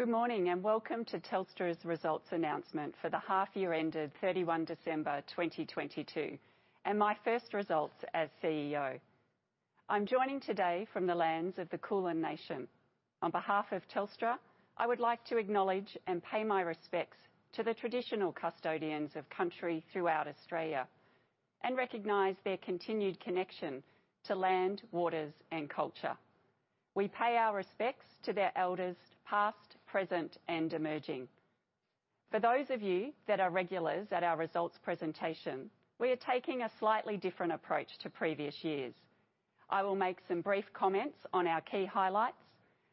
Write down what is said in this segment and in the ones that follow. Good morning, welcome to Telstra's results announcement for the half year ended 31 December, 2022, and my first results as CEO. I'm joining today from the lands of the Kulin Nation. On behalf of Telstra, I would like to acknowledge and pay my respects to the traditional custodians of country throughout Australia and recognize their continued connection to land, waters, and culture. We pay our respects to their elders, past, present, and emerging. For those of you that are regulars at our results presentation, we are taking a slightly different approach to previous years. I will make some brief comments on our key highlights.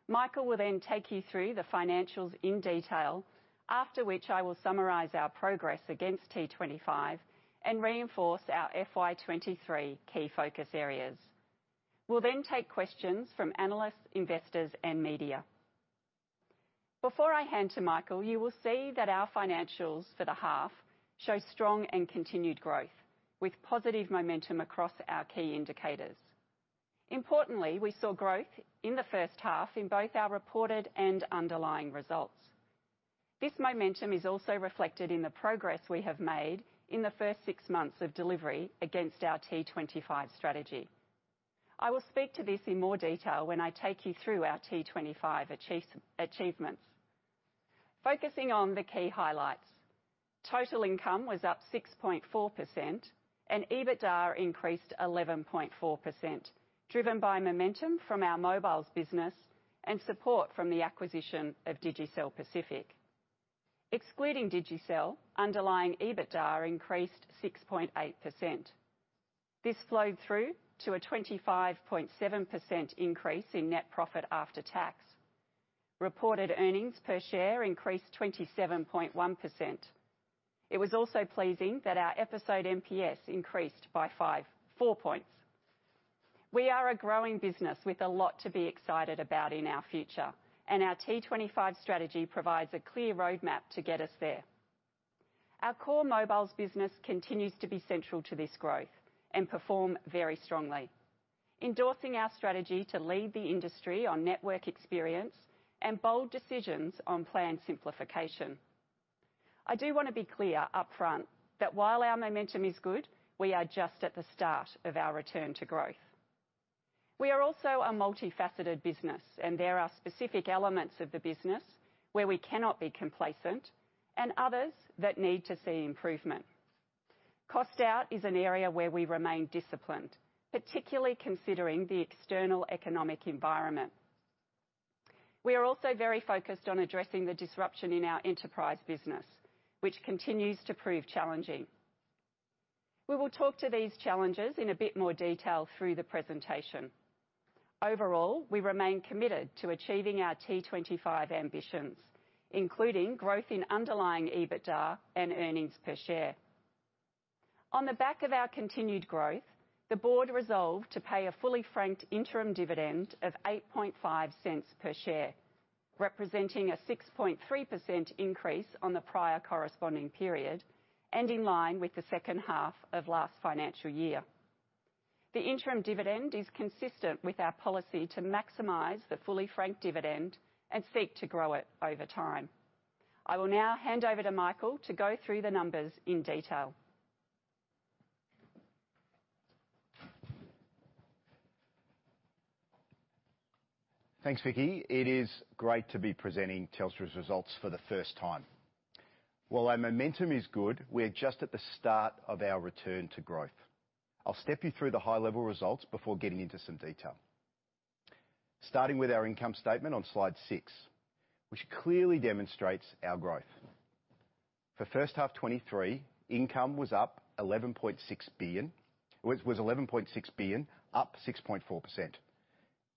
Michael will take you through the financials in detail, after which I will summarize our progress against T25 and reinforce our FY23 key focus areas. We'll take questions from analysts, investors, and media. Before I hand to Michael Ackland, you will see that our financials for the half show strong and continued growth with positive momentum across our key indicators. We saw growth in the first half in both our reported and underlying results. This momentum is also reflected in the progress we have made in the first 6 months of delivery against our T25 strategy. I will speak to this in more detail when I take you through our T25 achievements. Focusing on the key highlights, total income was up 6.4% and EBITDA increased 11.4%, driven by momentum from our mobiles business and support from the acquisition of Digicel Pacific. Excluding Digicel, underlying EBITDA increased 6.8%. This flowed through to a 25.7% increase in net profit after tax. Reported earnings per share increased 27.1%. It was also pleasing that our Episode NPS increased by four points. We are a growing business with a lot to be excited about in our future. Our T25 strategy provides a clear roadmap to get us there. Our core mobiles business continues to be central to this growth and perform very strongly, endorsing our strategy to lead the industry on network experience and bold decisions on plan simplification. I do wanna be clear up front that while our momentum is good, we are just at the start of our return to growth. We are also a multifaceted business. There are specific elements of the business where we cannot be complacent and others that need to see improvement. Cost out is an area where we remain disciplined, particularly considering the external economic environment. We are also very focused on addressing the disruption in our enterprise business, which continues to prove challenging. We will talk to these challenges in a bit more detail through the presentation. We remain committed to achieving our T25 ambitions, including growth in underlying EBITDA and earnings per share. On the back of our continued growth, the board resolved to pay a fully franked interim dividend of 0.085 per share, representing a 6.3% increase on the prior corresponding period and in line with the second half of last financial year. The interim dividend is consistent with our policy to maximize the fully franked dividend and seek to grow it over time. I will now hand over to Michael to go through the numbers in detail. Thanks, Vicki. It is great to be presenting Telstra's results for the first time. While our momentum is good, we are just at the start of our return to growth. I'll step you through the high-level results before getting into some detail. Starting with our income statement on slide six, which clearly demonstrates our growth. For first half 23, income was up 11.6 billion, up 6.4%.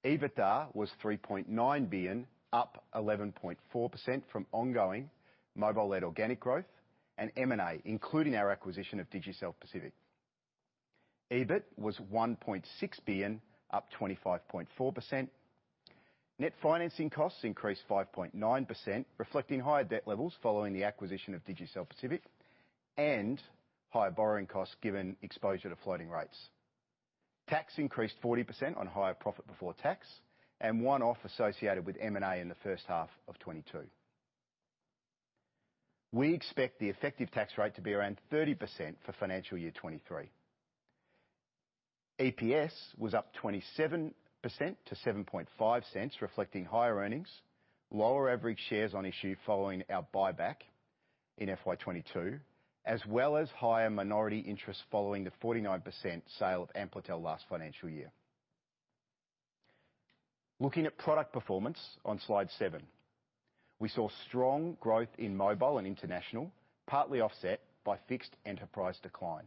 EBITDA was 3.9 billion, up 11.4% from ongoing mobile-led organic growth and M&A, including our acquisition of Digicel Pacific. EBIT was 1.6 billion, up 25.4%. Net financing costs increased 5.9%, reflecting higher debt levels following the acquisition of Digicel Pacific and higher borrowing costs given exposure to floating rates. Tax increased 40% on higher profit before tax and one-off associated with M&A in the first half of 2022. We expect the effective tax rate to be around 30% for financial year 2023. EPS was up 27% to 0.075, reflecting higher earnings, lower average shares on issue following our buyback in FY 2022, as well as higher minority interest following the 49% sale of Amplitel last financial year. Looking at product performance on slide 7. We saw strong growth in mobile and international, partly offset by fixed enterprise decline.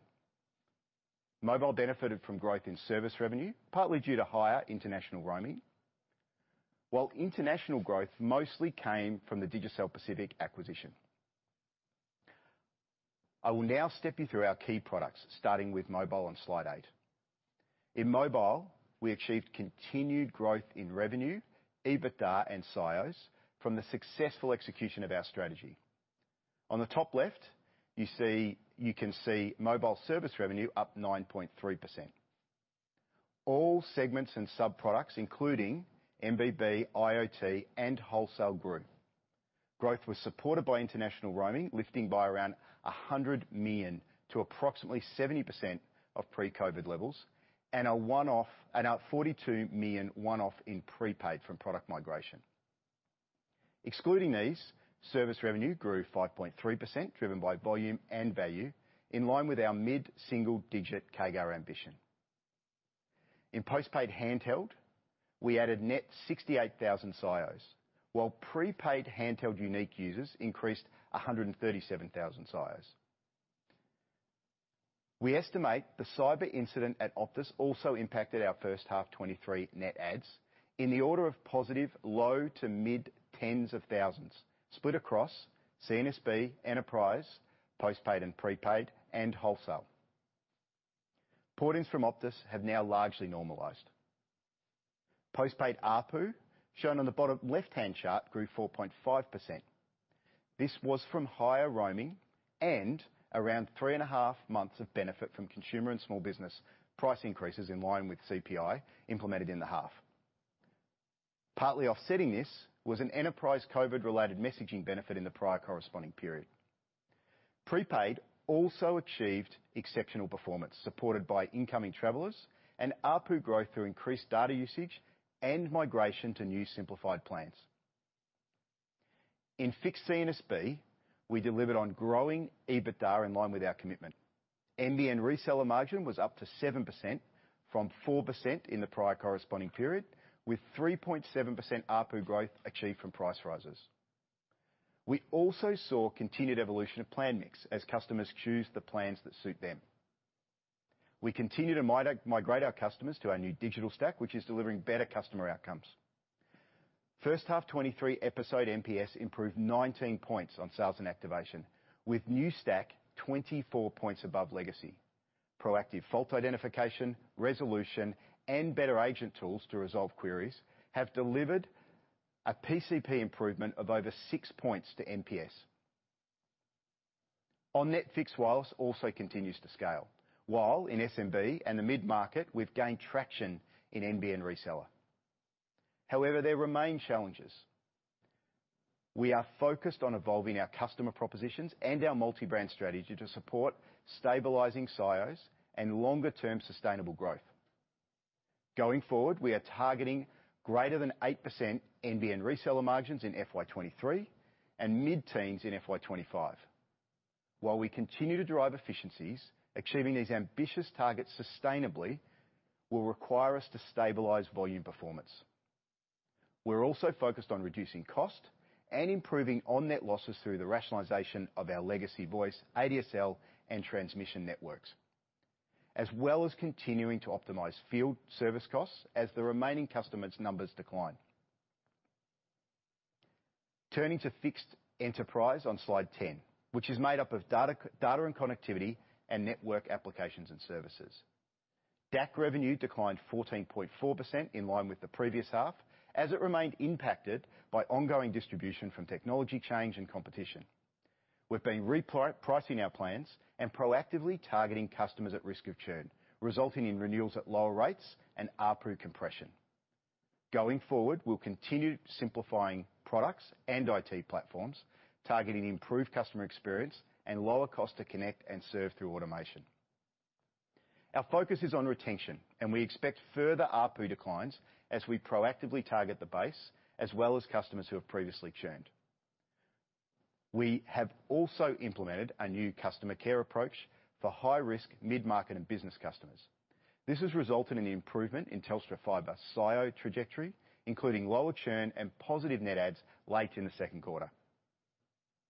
Mobile benefited from growth in service revenue, partly due to higher international roaming, while international growth mostly came from the Digicel Pacific acquisition. I will now step you through our key products, starting with mobile on slide 8. In mobile, we achieved continued growth in revenue, EBITDA, and SIOs from the successful execution of our strategy. On the top left, you can see mobile service revenue up 9.3%, all segments and sub-products, including MBB, IoT, and wholesale group. Growth was supported by international roaming, lifting by around 100 million to approximately 70% of pre-COVID levels, and our 42 million one-off in prepaid from product migration. Excluding these, service revenue grew 5.3% driven by volume and value in line with our mid-single-digit CAGR ambition. In postpaid handheld, we added net 68,000 SIOs, while prepaid handheld unique users increased 137,000 SIOs. We estimate the cyber incident at Optus also impacted our first half 2023 net adds in the order of positive low to mid tens of thousands split across CNSB, enterprise, postpaid and prepaid, and wholesale. Port-ins from Optus have now largely normalized. Postpaid ARPU, shown on the bottom left-hand chart, grew 4.5%. This was from higher roaming and around three and a half months of benefit from consumer and small business price increases in line with CPI implemented in the half. Partly offsetting this was an enterprise COVID-related messaging benefit in the prior corresponding period. Prepaid also achieved exceptional performance, supported by incoming travelers and ARPU growth through increased data usage and migration to new simplified plans. In fixed CNSB, we delivered on growing EBITDA in line with our commitment. NBN reseller margin was up to 7% from 4% in the prior corresponding period, with 3.7% ARPU growth achieved from price rises. We also saw continued evolution of plan mix as customers choose the plans that suit them. We continue to migrate our customers to our new digital stack, which is delivering better customer outcomes. First half 2023 episode NPS improved 19 points on sales and activation with new stack 24 points above legacy. Proactive fault identification, resolution, and better agent tools to resolve queries have delivered a PCP improvement of over 6 points to NPS. OnNet fixed wireless also continues to scale. While in SMB and the mid-market, we've gained traction in NBN reseller. However, there remain challenges. We are focused on evolving our customer propositions and our multi-brand strategy to support stabilizing SIOs and longer term sustainable growth. Going forward, we are targeting greater than 8% NBN reseller margins in FY23 and mid-teens in FY25. While we continue to drive efficiencies, achieving these ambitious targets sustainably will require us to stabilize volume performance. We're also focused on reducing cost and improving OnNet losses through the rationalization of our legacy voice, ADSL, and transmission networks, as well as continuing to optimize field service costs as the remaining customers' numbers decline. Turning to fixed enterprise on slide 10, which is made up of data and connectivity and network applications and services. DAC revenue declined 14.4% in line with the previous half, as it remained impacted by ongoing distribution from technology change and competition. We've been repricing our plans and proactively targeting customers at risk of churn, resulting in renewals at lower rates and ARPU compression. Going forward, we'll continue simplifying products and IT platforms, targeting improved customer experience and lower cost to connect and serve through automation. Our focus is on retention, and we expect further ARPU declines as we proactively target the base, as well as customers who have previously churned. We have also implemented a new customer care approach for high-risk mid-market and business customers. This has resulted in the improvement in Telstra Fibre SIO trajectory, including lower churn and positive net adds late in the second quarter.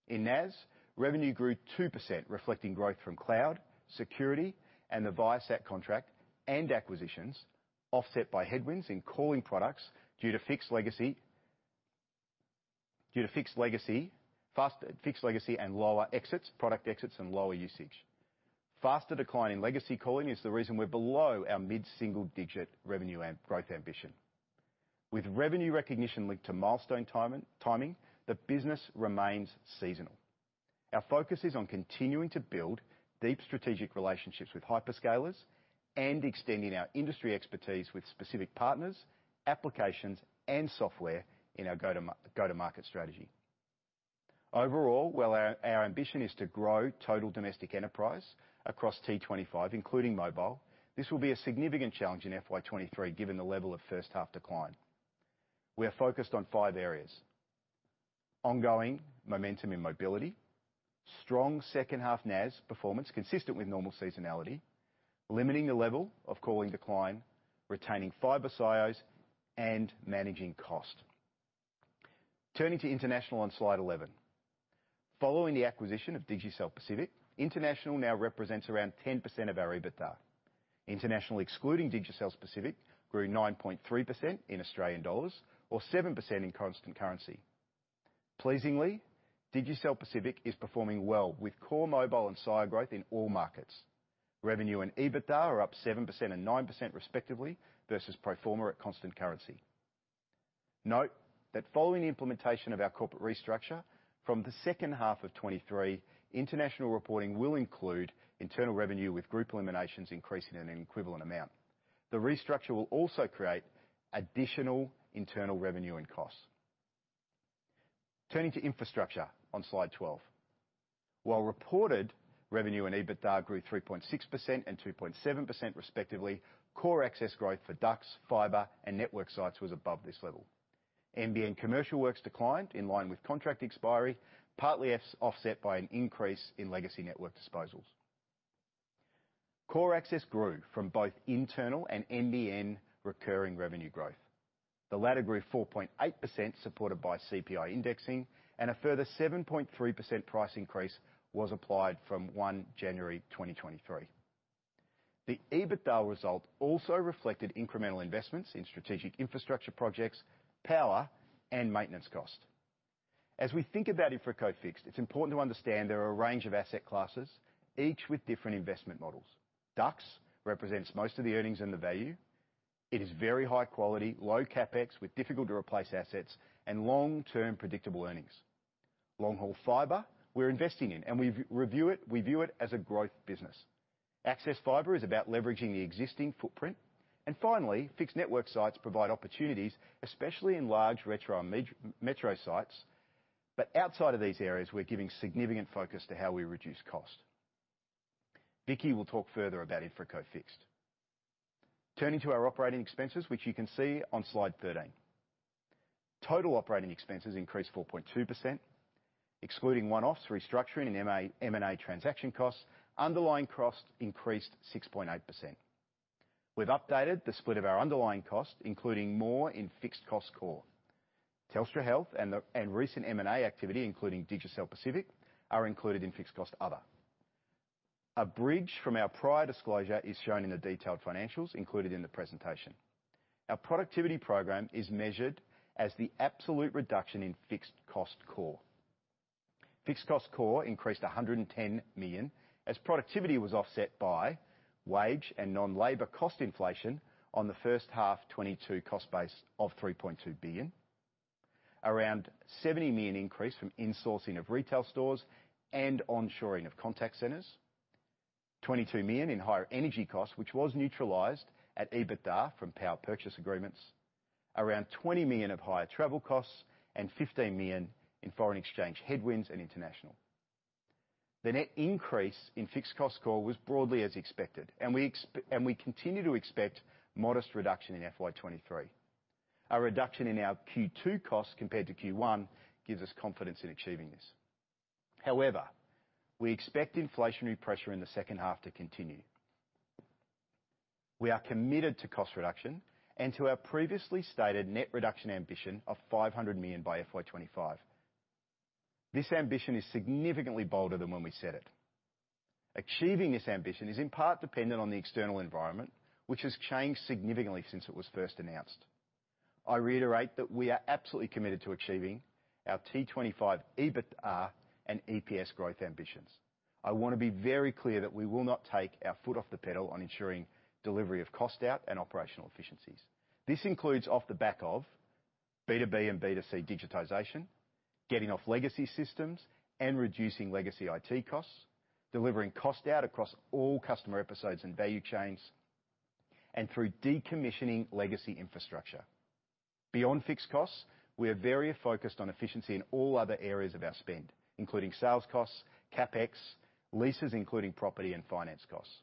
In NAS, revenue grew 2%, reflecting growth from cloud, security, and the Viasat contract and acquisitions offset by headwinds in calling products due to fixed legacy and lower exits, product exits and lower usage. Faster decline in legacy calling is the reason we're below our mid-single-digit revenue growth ambition. With revenue recognition linked to milestone time-timing, the business remains seasonal. Our focus is on continuing to build deep strategic relationships with hyperscalers and extending our industry expertise with specific partners, applications, and software in our go to market strategy. Overall, while our ambition is to grow total domestic enterprise across T25, including mobile, this will be a significant challenge in FY23, given the level of first half decline. We are focused on five areas: ongoing momentum in mobility, strong second half NAS performance consistent with normal seasonality, limiting the level of calling decline, retaining fiber SIOs, and managing cost. Turning to international on slide 11. Following the acquisition of Digicel Pacific, international now represents around 10% of our EBITDA. International, excluding Digicel Pacific, grew 9.3% in Australian dollars or 7% in constant currency. Pleasingly, Digicel Pacific is performing well with core mobile and SIOs growth in all markets. Revenue and EBITDA are up 7% and 9% respectively versus pro forma at constant currency. Note that following the implementation of our corporate restructure from the second half of 2023, international reporting will include internal revenue with group eliminations increasing in an equivalent amount. The restructure will also create additional internal revenue and costs. Turning to infrastructure on slide 12. While reported revenue and EBITDA grew 3.6% and 2.7% respectively, core access growth for ducts, fiber, and network sites was above this level. NBN commercial works declined in line with contract expiry, partly offset by an increase in legacy network disposals. Core access grew from both internal and NBN recurring revenue growth. The latter grew 4.8%, supported by CPI indexing. A further 7.3% price increase was applied from January 2023. The EBITDA result also reflected incremental investments in strategic infrastructure projects, power, and maintenance cost. As we think about InfraCo Fixed, it's important to understand there are a range of asset classes, each with different investment models. Ducts represents most of the earnings and the value. It is very high quality, low Capex with difficult to replace assets and long-term predictable earnings. Long-haul fiber we're investing in, we view it as a growth business. Access fiber is about leveraging the existing footprint. Finally, fixed network sites provide opportunities, especially in large retro and metro sites. Outside of these areas, we're giving significant focus to how we reduce cost. Vicki will talk further about InfraCo Fixed. Turning to our operating expenses, which you can see on slide 13. Total operating expenses increased 4.2%. Excluding one-offs, restructuring, and M&A transaction costs, underlying costs increased 6.8%. We've updated the split of our underlying costs, including more in fixed cost core. Telstra Health and recent M&A activity, including Digicel Pacific, are included in fixed cost other. A bridge from our prior disclosure is shown in the detailed financials included in the presentation. Our productivity program is measured as the absolute reduction in fixed cost core. Fixed cost core increased 110 million, as productivity was offset by wage and non-labor cost inflation on the first half 2022 cost base of 3.2 billion. Around 70 million increase from insourcing of retail stores and onshoring of contact centers. 22 million in higher energy costs, which was neutralized at EBITDA from power purchase agreements. Around 20 million of higher travel costs and 15 million in foreign exchange headwinds and international. The net increase in fixed cost core was broadly as expected, and we continue to expect modest reduction in FY23. Our reduction in our Q2 costs compared to Q1 gives us confidence in achieving this. However, we expect inflationary pressure in the second half to continue. We are committed to cost reduction and to our previously stated net reduction ambition of 500 million by FY25. This ambition is significantly bolder than when we said it. Achieving this ambition is in part dependent on the external environment, which has changed significantly since it was first announced. I reiterate that we are absolutely committed to achieving our T25 EBITDA and EPS growth ambitions. I wanna be very clear that we will not take our foot off the pedal on ensuring delivery of cost out and operational efficiencies. This includes off the back of B2B and B2C digitization, getting off legacy systems and reducing legacy IT costs, delivering cost out across all customer episodes and value chains, and through decommissioning legacy infrastructure. Beyond fixed costs, we are very focused on efficiency in all other areas of our spend, including sales costs, CapEx, leases, including property and finance costs.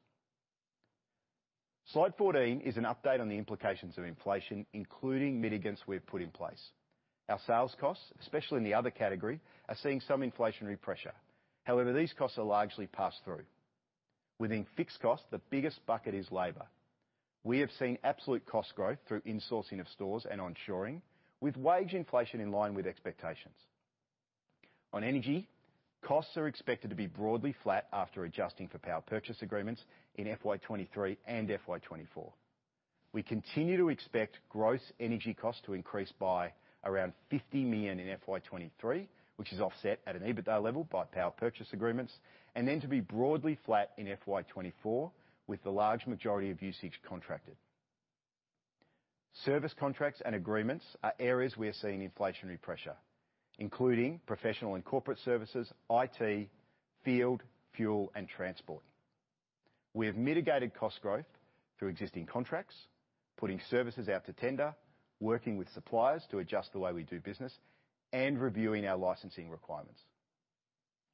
Slide 14 is an update on the implications of inflation, including mitigants we've put in place. Our sales costs, especially in the other category, are seeing some inflationary pressure. These costs are largely passed through. Within fixed costs, the biggest bucket is labor. We have seen absolute cost growth through insourcing of stores and onshoring, with wage inflation in line with expectations. On energy, costs are expected to be broadly flat after adjusting for power purchase agreements in FY2023 and FY2024. We continue to expect gross energy costs to increase by around 50 million in FY2023, which is offset at an EBITDA level by power purchase agreements, and then to be broadly flat in FY2024 with the large majority of usage contracted. Service contracts and agreements are areas we are seeing inflationary pressure, including professional and corporate services, IT, field, fuel, and transport. We have mitigated cost growth through existing contracts, putting services out to tender, working with suppliers to adjust the way we do business, and reviewing our licensing requirements.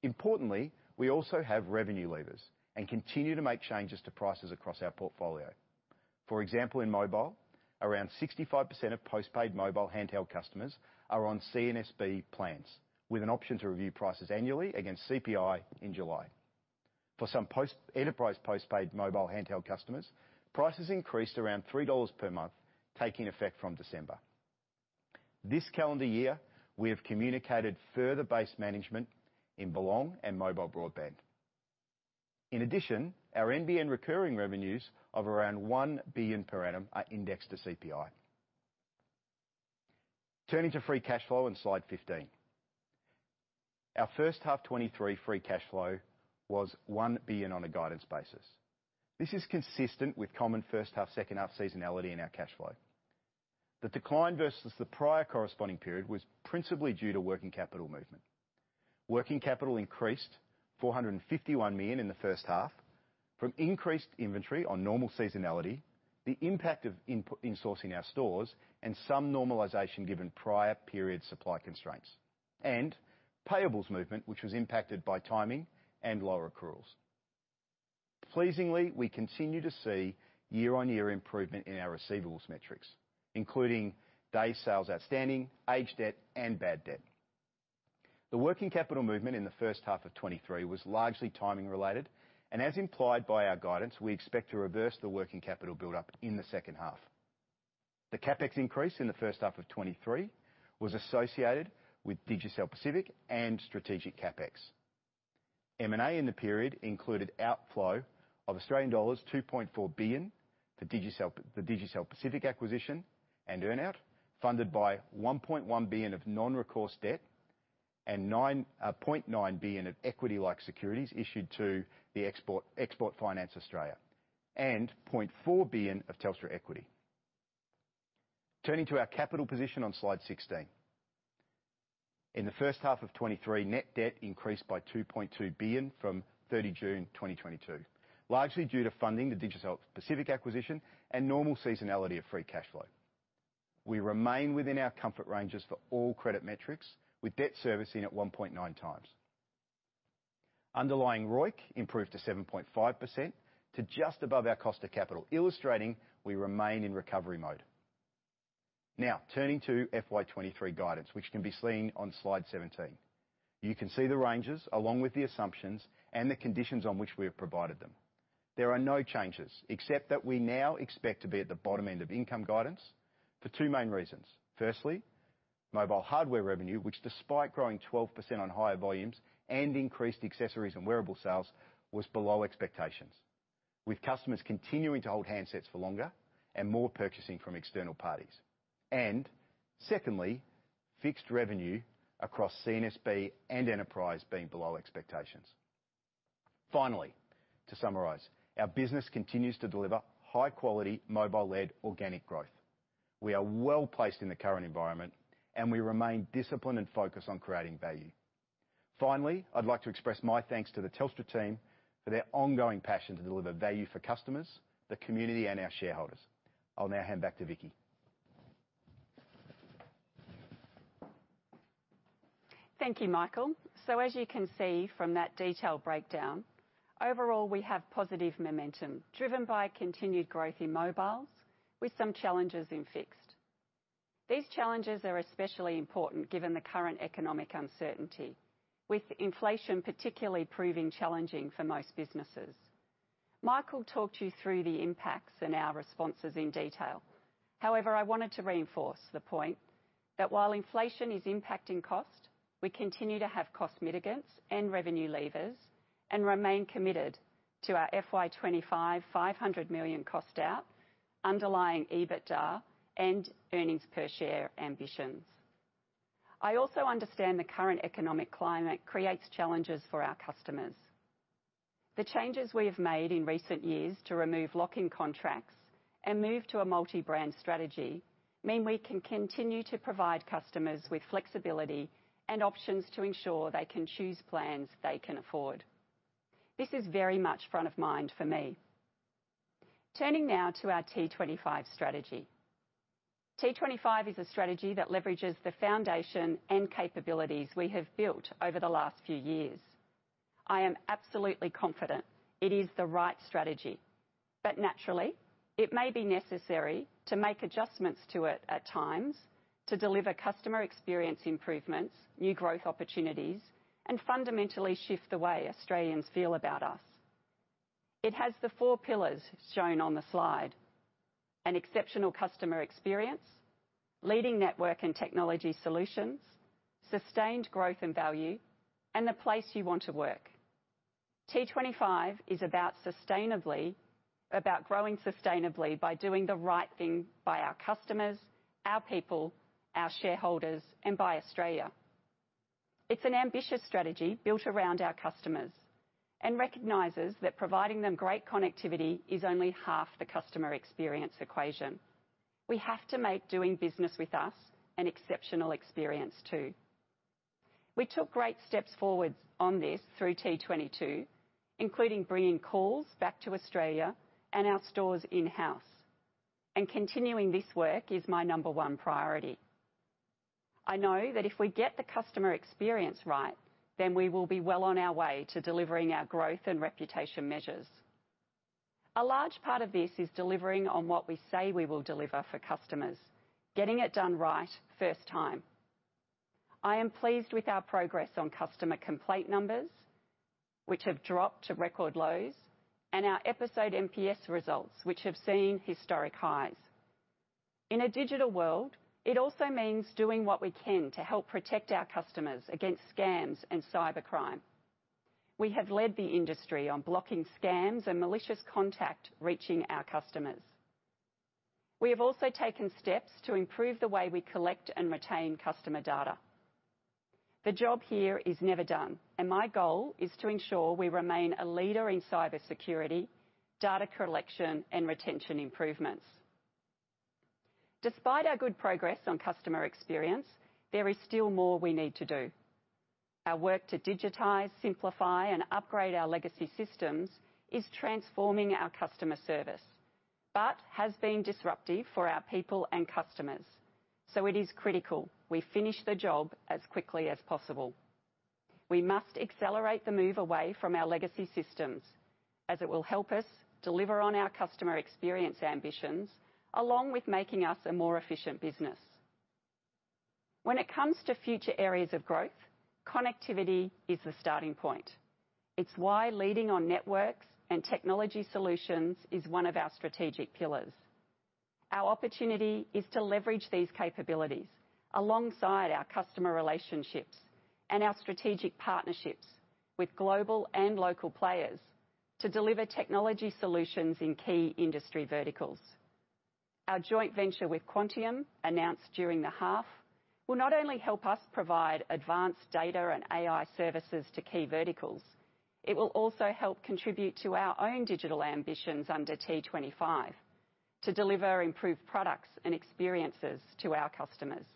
Importantly, we also have revenue levers and continue to make changes to prices across our portfolio. For example, in mobile, around 65% of post-paid mobile handheld customers are on CNSB plans, with an option to review prices annually against CPI in July. For some enterprise post-paid mobile handheld customers, prices increased around 3 dollars per month, taking effect from December. This calendar year, we have communicated further base management in Belong and Mobile Broadband. In addition, our NBN recurring revenues of around 1 billion per annum are indexed to CPI. Turning to free cash flow on slide 15. Our first half 2023 free cash flow was 1 billion on a guidance basis. This is consistent with common first half, second half seasonality in our cash flow. The decline versus the prior corresponding period was principally due to working capital movement. Working capital increased 451 million in the first half from increased inventory on normal seasonality, the impact of input in sourcing our stores, some normalization given prior period supply constraints, and payables movement, which was impacted by timing and lower accruals. Pleasingly, we continue to see year-on-year improvement in our receivables metrics, including day sales outstanding, aged debt, and bad debt. The working capital movement in the first half of 2023 was largely timing related, as implied by our guidance, we expect to reverse the working capital buildup in the second half. The Capex increase in the first half of 2023 was associated with Digicel Pacific and strategic Capex. M&A in the period included outflow of Australian dollars 2.4 billion for Digicel, the Digicel Pacific acquisition, and earn out, funded by 1.1 billion of non-recourse debt. 0.9 billion of equity-like securities issued to Export Finance Australia, and 0.4 billion of Telstra equity. Turning to our capital position on slide 16. In the first half of 2023, net debt increased by 2.2 billion from 30 June 2022, largely due to funding the Digicel Pacific acquisition and normal seasonality of free cash flow. We remain within our comfort ranges for all credit metrics with debt servicing at 1.9 times. Underlying ROIC improved to 7.5% to just above our cost of capital, illustrating we remain in recovery mode. Turning to FY23 guidance, which can be seen on slide 17. You can see the ranges along with the assumptions and the conditions on which we have provided them. There are no changes, except that we now expect to be at the bottom end of income guidance for two main reasons. Firstly, mobile hardware revenue, which despite growing 12% on higher volumes and increased accessories and wearable sales, was below expectations, with customers continuing to hold handsets for longer and more purchasing from external parties. Secondly, fixed revenue across CNSB and enterprise being below expectations. Finally, to summarize, our business continues to deliver high-quality mobile-led organic growth. We are well-placed in the current environment, and we remain disciplined and focused on creating value. Finally, I'd like to express my thanks to the Telstra team for their ongoing passion to deliver value for customers, the community, and our shareholders. I'll now hand back to Vicki. Thank you, Michael. As you can see from that detailed breakdown, overall, we have positive momentum driven by continued growth in mobiles with some challenges in fixed. These challenges are especially important given the current economic uncertainty, with inflation particularly proving challenging for most businesses. Michael talked you through the impacts and our responses in detail. I wanted to reinforce the point that while inflation is impacting cost, we continue to have cost mitigants and revenue levers and remain committed to our FY25 500 million cost out underlying EBITDA and earnings per share ambitions. I also understand the current economic climate creates challenges for our customers. The changes we have made in recent years to remove lock-in contracts and move to a multi-brand strategy mean we can continue to provide customers with flexibility and options to ensure they can choose plans they can afford. This is very much front of mind for me. Turning now to our T25 strategy. T25 is a strategy that leverages the foundation and capabilities we have built over the last few years. I am absolutely confident it is the right strategy. Naturally, it may be necessary to make adjustments to it at times to deliver customer experience improvements, new growth opportunities, and fundamentally shift the way Australians feel about us. It has the four pillars shown on the slide: an exceptional customer experience, leading network and technology solutions, sustained growth and value, and the place you want to work. T25 is about growing sustainably by doing the right thing by our customers, our people, our shareholders, and by Australia. It's an ambitious strategy built around our customers and recognizes that providing them great connectivity is only half the customer experience equation. We have to make doing business with us an exceptional experience too. We took great steps forward on this through T22, including bringing calls back to Australia and our stores in-house. Continuing this work is my number one priority. I know that if we get the customer experience right, then we will be well on our way to delivering our growth and reputation measures. A large part of this is delivering on what we say we will deliver for customers, getting it done right first time. I am pleased with our progress on customer complaint numbers, which have dropped to record lows, and our Episode NPS results, which have seen historic highs. In a digital world, it also means doing what we can to help protect our customers against scams and cybercrime. We have led the industry on blocking scams and malicious contact reaching our customers. We have also taken steps to improve the way we collect and retain customer data. The job here is never done. My goal is to ensure we remain a leader in cybersecurity, data collection, and retention improvements. Despite our good progress on customer experience, there is still more we need to do. Our work to digitize, simplify, and upgrade our legacy systems is transforming our customer service. It has been disruptive for our people and customers. It is critical we finish the job as quickly as possible. We must accelerate the move away from our legacy systems as it will help us deliver on our customer experience ambitions, along with making us a more efficient business. When it comes to future areas of growth, connectivity is the starting point. It's why leading on networks and technology solutions is one of our strategic pillars. Our opportunity is to leverage these capabilities alongside our customer relationships and our strategic partnerships with global and local players to deliver technology solutions in key industry verticals. Our joint venture with Quantium, announced during the half, will not only help us provide advanced data and AI services to key verticals, it will also help contribute to our own digital ambitions under T25 to deliver improved products and experiences to our customers.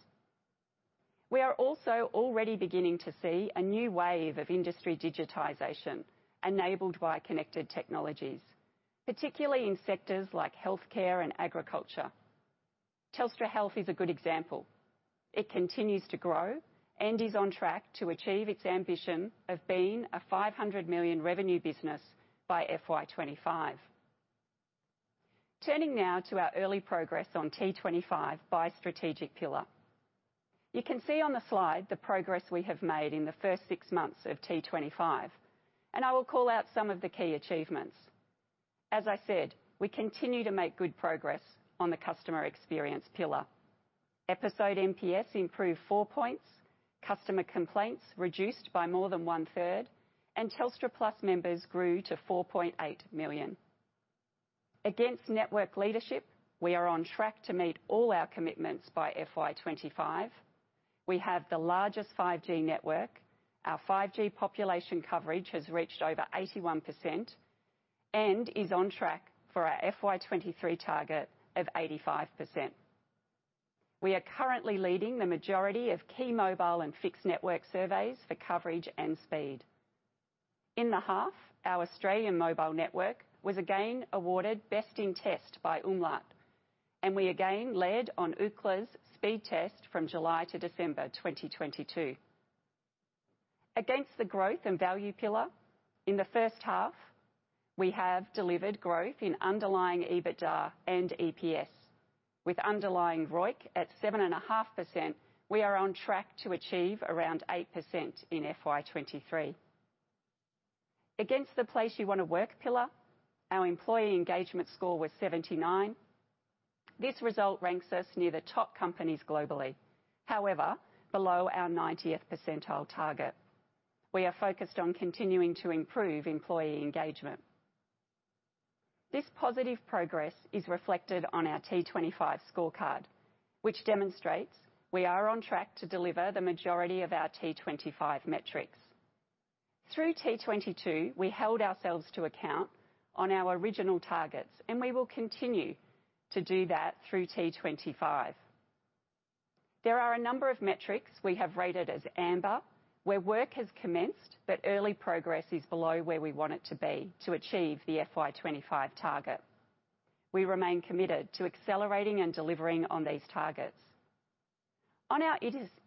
We are also already beginning to see a new wave of industry digitization enabled by connected technologies, particularly in sectors like healthcare and agriculture. Telstra Health is a good example. It continues to grow and is on track to achieve its ambition of being a 500 million revenue business by FY25. Turning now to our early progress on T25 by strategic pillar. You can see on the slide the progress we have made in the first six months of T25, and I will call out some of the key achievements. As I said, we continue to make good progress on the customer experience pillar. Episode NPS improved 4 points, customer complaints reduced by more than one-third, and Telstra Plus members grew to 4.8 million. Against network leadership, we are on track to meet all our commitments by FY25. We have the largest 5G network. Our 5G population coverage has reached over 81% and is on track for our FY23 target of 85%. We are currently leading the majority of key mobile and fixed network surveys for coverage and speed. In the half, our Australian mobile network was again awarded best in test by umlaut. We again led on Ookla's speed test from July to December 2022. Against the growth and value pillar, in the first half, we have delivered growth in underlying EBITDA and EPS. With underlying ROIC at 7.5%, we are on track to achieve around 8% in FY23. Against the Place You Want to Work pillar, our employee engagement score was 79. This result ranks us near the top companies globally. However, below our 90th percentile target. We are focused on continuing to improve employee engagement. This positive progress is reflected on our T25 scorecard, which demonstrates we are on track to deliver the majority of our T25 metrics. Through T22, we held ourselves to account on our original targets, and we will continue to do that through T25. There are a number of metrics we have rated as amber, where work has commenced, but early progress is below where we want it to be to achieve the FY25 target. We remain committed to accelerating and delivering on these targets. On our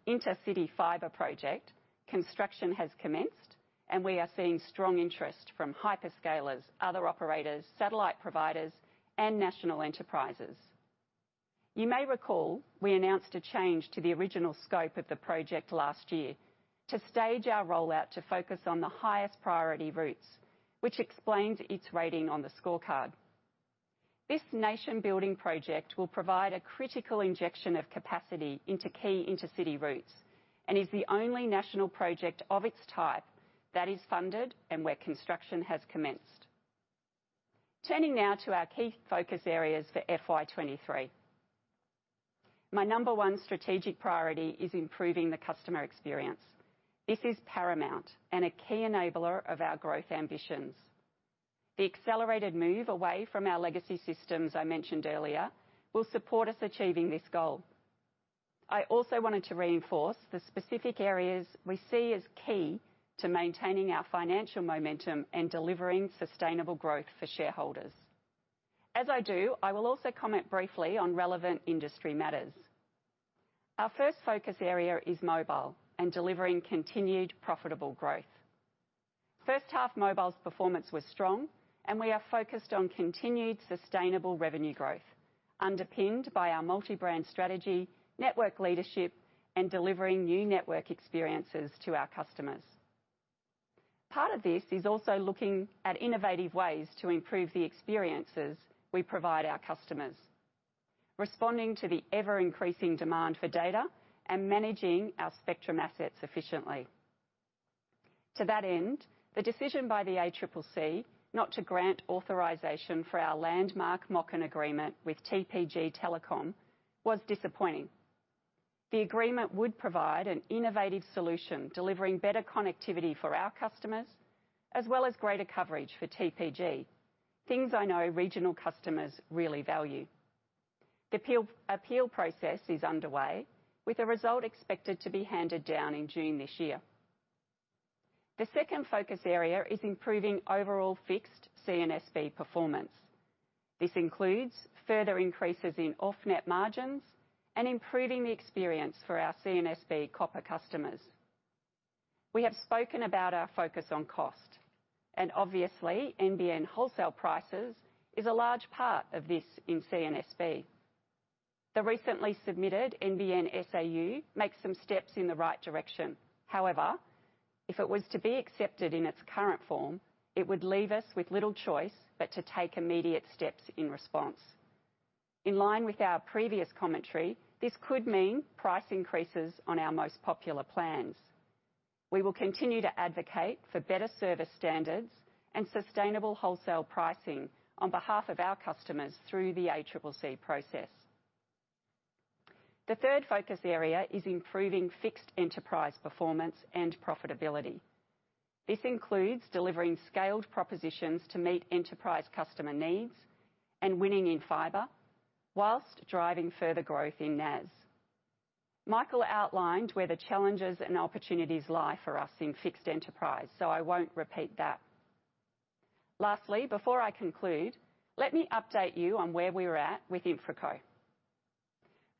intercity fiber project, construction has commenced, and we are seeing strong interest from hyperscalers, other operators, satellite providers, and national enterprises. You may recall, we announced a change to the original scope of the project last year to stage our rollout to focus on the highest priority routes, which explains its rating on the scorecard. This nation-building project will provide a critical injection of capacity into key intercity routes and is the only national project of its type that is funded and where construction has commenced. Turning now to our key focus areas for FY23. My number 1 strategic priority is improving the customer experience. This is paramount and a key enabler of our growth ambitions. The accelerated move away from our legacy systems I mentioned earlier will support us achieving this goal. I also wanted to reinforce the specific areas we see as key to maintaining our financial momentum and delivering sustainable growth for shareholders. As I do, I will also comment briefly on relevant industry matters. Our first focus area is mobile and delivering continued profitable growth. First half mobile's performance was strong. We are focused on continued sustainable revenue growth, underpinned by our multi-brand strategy, network leadership, and delivering new network experiences to our customers. Part of this is also looking at innovative ways to improve the experiences we provide our customers, responding to the ever-increasing demand for data and managing our spectrum assets efficiently. To that end, the decision by the ACCC not to grant authorization for our landmark MOCN agreement with TPG Telecom was disappointing. The agreement would provide an innovative solution, delivering better connectivity for our customers, as well as greater coverage for TPG. Things I know regional customers really value. The appeal process is underway with a result expected to be handed down in June this year. The second focus area is improving overall fixed CNSP performance. This includes further increases in off-net margins and improving the experience for our CNSB copper customers. We have spoken about our focus on cost, obviously NBN wholesale prices is a large part of this in CNSB. The recently submitted NBN SAU makes some steps in the right direction. However, if it was to be accepted in its current form, it would leave us with little choice but to take immediate steps in response. In line with our previous commentary, this could mean price increases on our most popular plans. We will continue to advocate for better service standards and sustainable wholesale pricing on behalf of our customers through the ACCC process. The third focus area is improving fixed enterprise performance and profitability. This includes delivering scaled propositions to meet enterprise customer needs and winning in fiber whilst driving further growth in NAS. Michael outlined where the challenges and opportunities lie for us in fixed enterprise, so I won't repeat that. Lastly, before I conclude, let me update you on where we're at with InfraCo.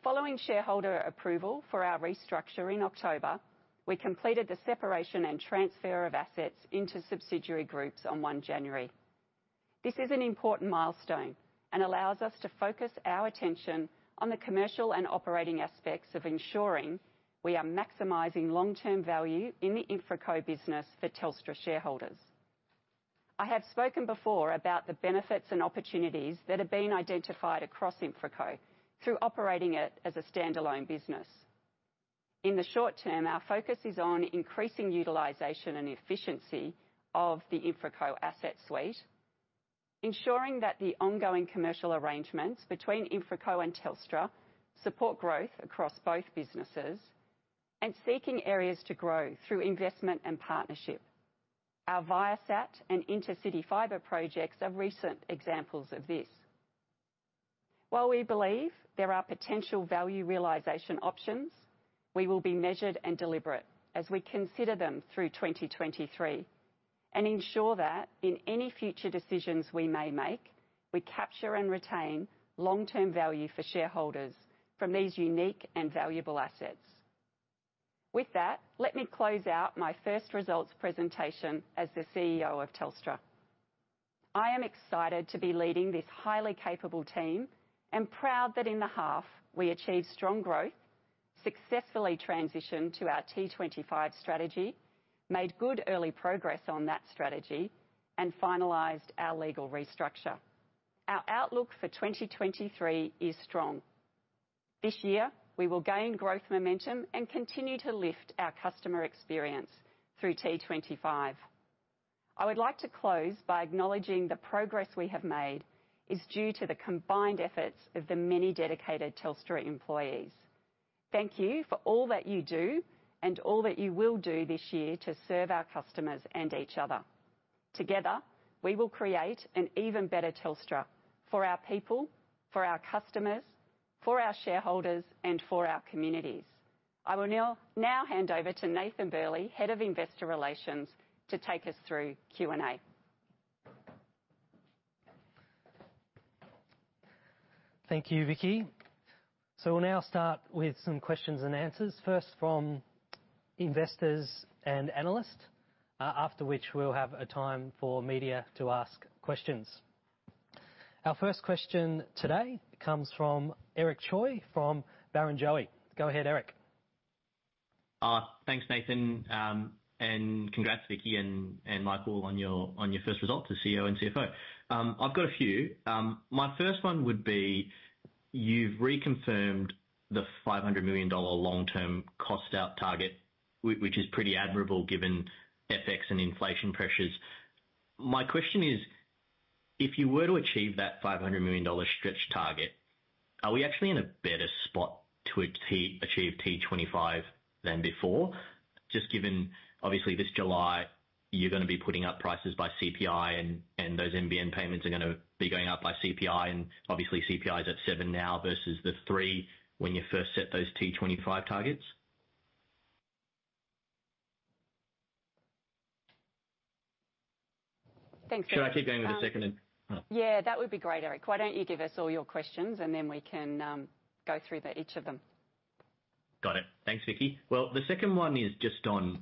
Following shareholder approval for our restructure in October, we completed the separation and transfer of assets into subsidiary groups on 1 January. This is an important milestone and allows us to focus our attention on the commercial and operating aspects of ensuring we are maximizing long-term value in the InfraCo business for Telstra shareholders. I have spoken before about the benefits and opportunities that have been identified across InfraCo through operating it as a standalone business. In the short term, our focus is on increasing utilization and efficiency of the InfraCo asset suite, ensuring that the ongoing commercial arrangements between InfraCo and Telstra support growth across both businesses, and seeking areas to grow through investment and partnership. Our Viasat and Intercity fiber projects are recent examples of this. While we believe there are potential value realization options, we will be measured and deliberate as we consider them through 2023, and ensure that in any future decisions we may make, we capture and retain long-term value for shareholders from these unique and valuable assets. With that, let me close out my first results presentation as the CEO of Telstra. I am excited to be leading this highly capable team and proud that in the half we achieved strong growth, successfully transitioned to our T25 strategy, made good early progress on that strategy, and finalized our legal restructure. Our outlook for 2023 is strong. This year we will gain growth momentum and continue to lift our customer experience through T25. I would like to close by acknowledging the progress we have made is due to the combined efforts of the many dedicated Telstra employees. Thank you for all that you do and all that you will do this year to serve our customers and each other. Together, we will create an even better Telstra for our people, for our customers, for our shareholders, and for our communities. I will now hand over to Nathan Burley, Head of Investor Relations, to take us through Q&A. Thank you, Vicki. We'll now start with some questions and answers, first from investors and analysts, after which we'll have a time for media to ask questions. Our first question today comes from Eric Choi from Barrenjoey. Go ahead, Eric. Thanks, Nathan, congrats, Vicki and Michael, on your first result to CEO and CFO. I've got a few. My first one would be, you've reconfirmed the $500 million long-term cost out target, which is pretty admirable given FX and inflation pressures. My question is, if you were to achieve that $500 million stretch target, are we actually in a better spot to achieve T25 than before? Given obviously this July you're gonna be putting up prices by CPI and those NBN payments are gonna be going up by CPI and obviously CPI is at 7 now versus the 3 when you first set those T25 targets. Thanks. Should I keep going with the second then? That would be great, Eric. Why don't you give us all your questions and then we can go through each of them. Got it. Thanks, Vicki. The second one is just on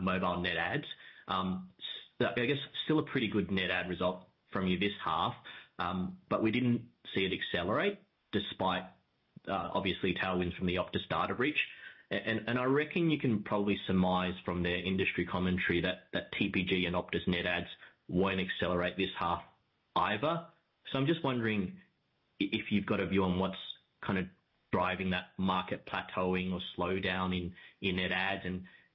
mobile net adds. I guess still a pretty good net add result from you this half, but we didn't see it accelerate despite obviously tailwinds from the Optus data breach. I reckon you can probably surmise from their industry commentary that TPG and Optus net adds won't accelerate this half either. I'm just wondering if you've got a view on what's kind of driving that market plateauing or slowdown in net adds,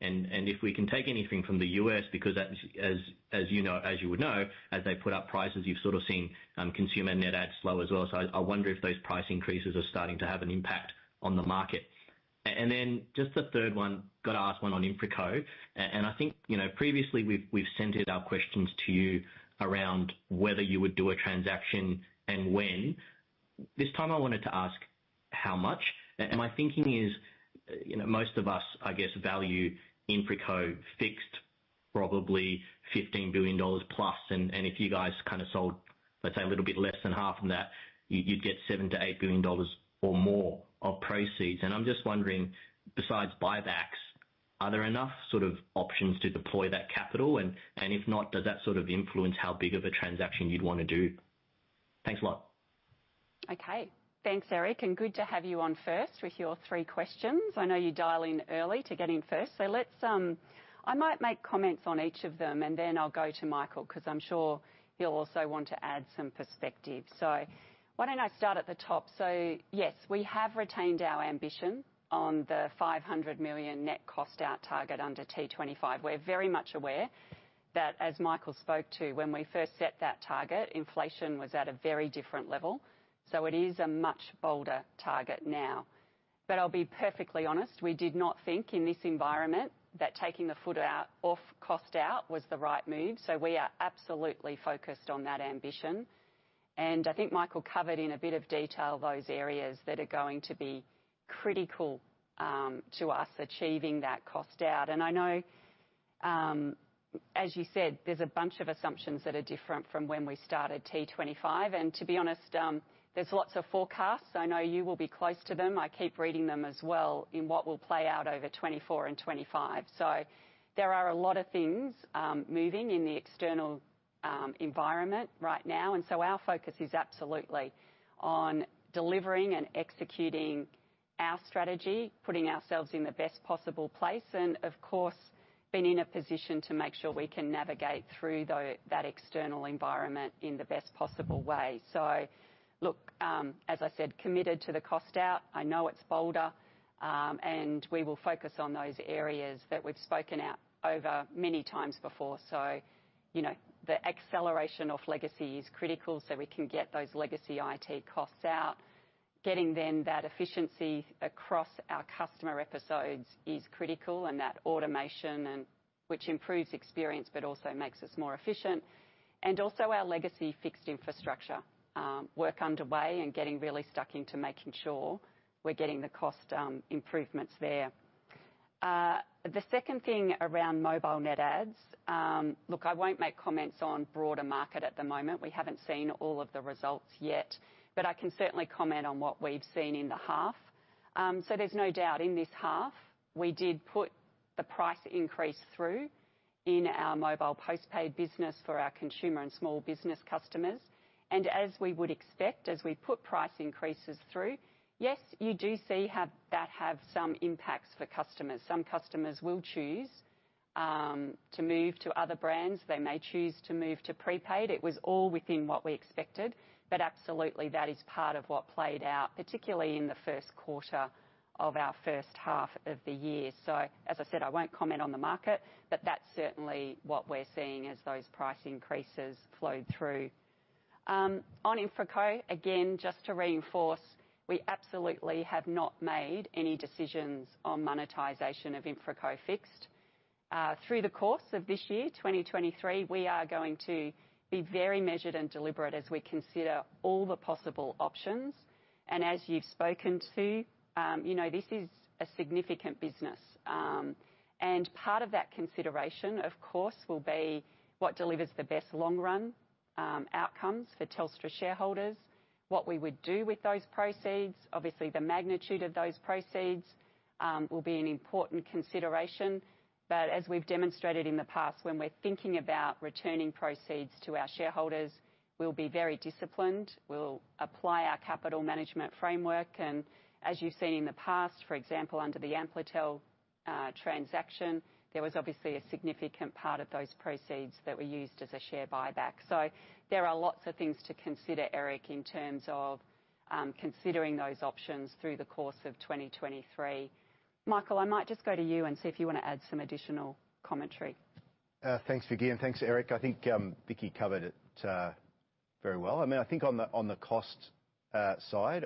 and if we can take anything from the U.S. because as you know, as you would know, as they put up prices, you've sort of seen consumer net adds slow as well. I wonder if those price increases are starting to have an impact on the market. Just the third one, got to ask one on InfraCo. I think, you know, previously we've centered our questions to you around whether you would do a transaction and when. This time I wanted to ask how much. My thinking is, you know, most of us, I guess, value InfraCo Fixed probably 15 billion dollars plus. If you guys kind of sold, let's say, a little bit less than half of that, you'd get 7 billion-8 billion dollars or more of proceeds. I'm just wondering, besides buybacks, are there enough sort of options to deploy that capital? If not, does that sort of influence how big of a transaction you'd want to do? Thanks a lot. Thanks, Eric, and good to have you on first with your three questions. I know you dial in early to get in first. Let's, I might make comments on each of them and then I'll go to Michael because I'm sure he'll also want to add some perspective. Why don't I start at the top. Yes, we have retained our ambition on the 500 million net cost out target under T25. We're very much aware that as Michael spoke to, when we first set that target, inflation was at a very different level. It is a much bolder target now. I'll be perfectly honest, we did not think in this environment that taking the foot out off cost out was the right move. We are absolutely focused on that ambition. I think Michael covered in a bit of detail those areas that are going to be critical to us achieving that cost out. I know, as you said, there's a bunch of assumptions that are different from when we started T25. To be honest, there's lots of forecasts. I know you will be close to them. I keep reading them as well in what will play out over 2024 and 2025. There are a lot of things moving in the external environment right now. Our focus is absolutely on delivering and executing our strategy, putting ourselves in the best possible place, and of course, being in a position to make sure we can navigate through that external environment in the best possible way. Look, as I said, committed to the cost out. I know it's bolder, and we will focus on those areas that we've spoken out over many times before. You know, the acceleration of legacy is critical so we can get those legacy IT costs out. Getting then that efficiency across our customer episodes is critical and that automation and which improves experience, but also makes us more efficient. Our legacy fixed infrastructure, work underway and getting really stuck into making sure we're getting the cost improvements there. The second thing around mobile net adds. Look, I won't make comments on broader market at the moment. We haven't seen all of the results yet, but I can certainly comment on what we've seen in the half. There's no doubt in this half, we did put the price increase through in our mobile postpaid business for our consumer and small business customers. As we would expect, as we put price increases through, yes, you do see how that have some impacts for customers. Some customers will choose to move to other brands. They may choose to move to prepaid. It was all within what we expected. Absolutely, that is part of what played out, particularly in the first quarter of our first half of the year. As I said, I won't comment on the market, but that's certainly what we're seeing as those price increases flowed through. On InfraCo, again, just to reinforce, we absolutely have not made any decisions on monetization of InfraCo Fixed. Through the course of this year, 2023, we are going to be very measured and deliberate as we consider all the possible options. As you've spoken to, you know, this is a significant business. Part of that consideration, of course, will be what delivers the best long-run outcomes for Telstra shareholders, what we would do with those proceeds. Obviously, the magnitude of those proceeds will be an important consideration. As we've demonstrated in the past, when we're thinking about returning proceeds to our shareholders, we'll be very disciplined. We'll apply our capital management framework. As you've seen in the past, for example, under the Amplitel transaction, there was obviously a significant part of those proceeds that were used as a share buyback. There are lots of things to consider, Eric, in terms of considering those options through the course of 2023. Michael, I might just go to you and see if you want to add some additional commentary. Thanks, Vicki, thanks, Eric. I think Vicki covered it very well. I mean, I think on the cost side,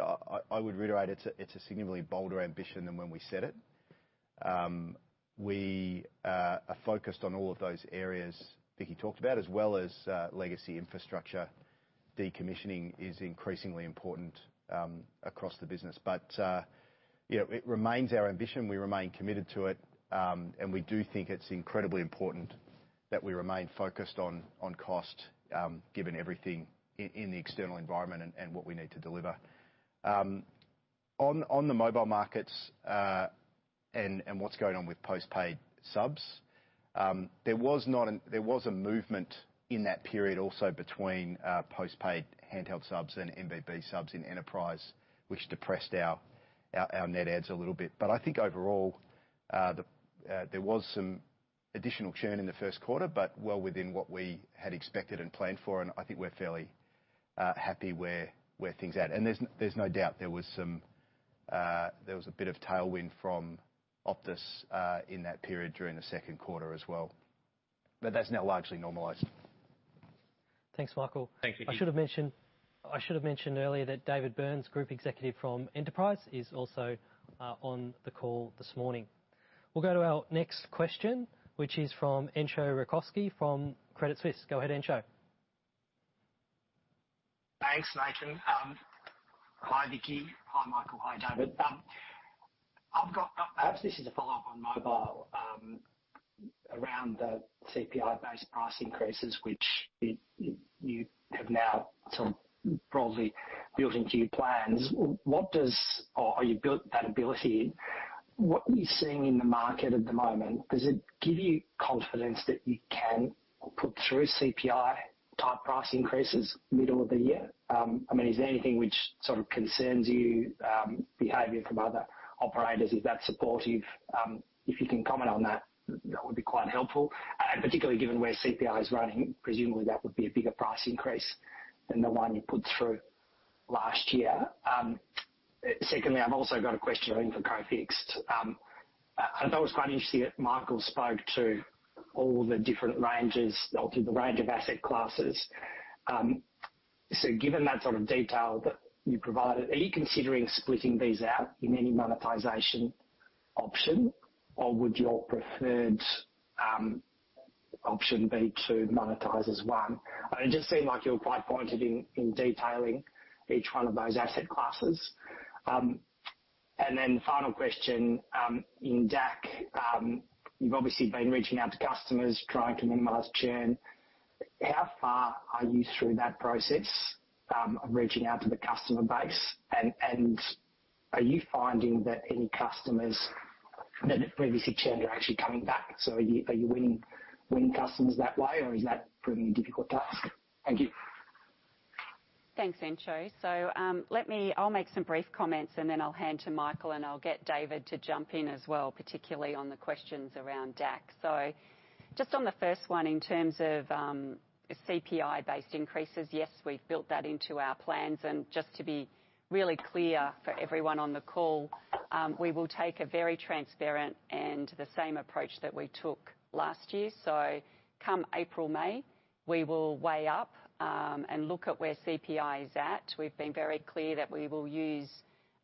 I would reiterate it's a significantly bolder ambition than when we said it. We are focused on all of those areas Vicki talked about, as well as legacy infrastructure. Decommissioning is increasingly important across the business. You know, it remains our ambition, we remain committed to it, and we do think it's incredibly important that we remain focused on cost, given everything in the external environment and what we need to deliver. On the mobile markets, and what's going on with postpaid subs, there was a movement in that period also between postpaid handheld subs and MBB subs in enterprise, which depressed our net adds a little bit. I think overall, the there was some Additional churn in the first quarter, but well within what we had expected and planned for, and I think we're fairly happy where things are at. There's no doubt there was a bit of tailwind from Optus in that period during the second quarter as well. That's now largely normalized. Thanks, Michael. Thanks, Vicki. I should have mentioned earlier that David Burns, Group Executive from Enterprise, is also on the call this morning. We'll go to our next question, which is from Entcho Raykovski from Credit Suisse. Go ahead, Entcho. Thanks, Nathan. Hi, Vicki. Hi, Michael. Hi, David. Perhaps this is a follow-up on mobile, around the CPI-based price increases, which you have now sort of broadly built into your plans. You built that ability. What are you seeing in the market at the moment? Does it give you confidence that you can put through CPI-type price increases middle of the year? I mean, is there anything which sort of concerns you, behavior from other operators? Is that supportive? If you can comment on that would be quite helpful. Particularly given where CPI is running, presumably that would be a bigger price increase than the one you put through last year. Secondly, I've also got a question on InfraCo Fixed. I thought it was quite interesting that Michael spoke to all the different ranges or through the range of asset classes. Given that sort of detail that you provided, are you considering splitting these out in any monetization option? Or would your preferred option be to monetize as one? It just seemed like you were quite pointed in detailing each one of those asset classes. Final question. In DAC, you've obviously been reaching out to customers, trying to minimize churn. How far are you through that process of reaching out to the customer base? Are you finding that any customers that have previously churned are actually coming back? Are you winning customers that way, or is that proving a difficult task? Thank you. Thanks, Entcho. I'll make some brief comments, and then I'll hand to Michael, and I'll get David to jump in as well, particularly on the questions around DAC. Just on the first one, in terms of CPI-based increases, yes, we've built that into our plans. Just to be really clear for everyone on the call, we will take a very transparent and the same approach that we took last year. Come April/May, we will weigh up and look at where CPI is at. We've been very clear that we will use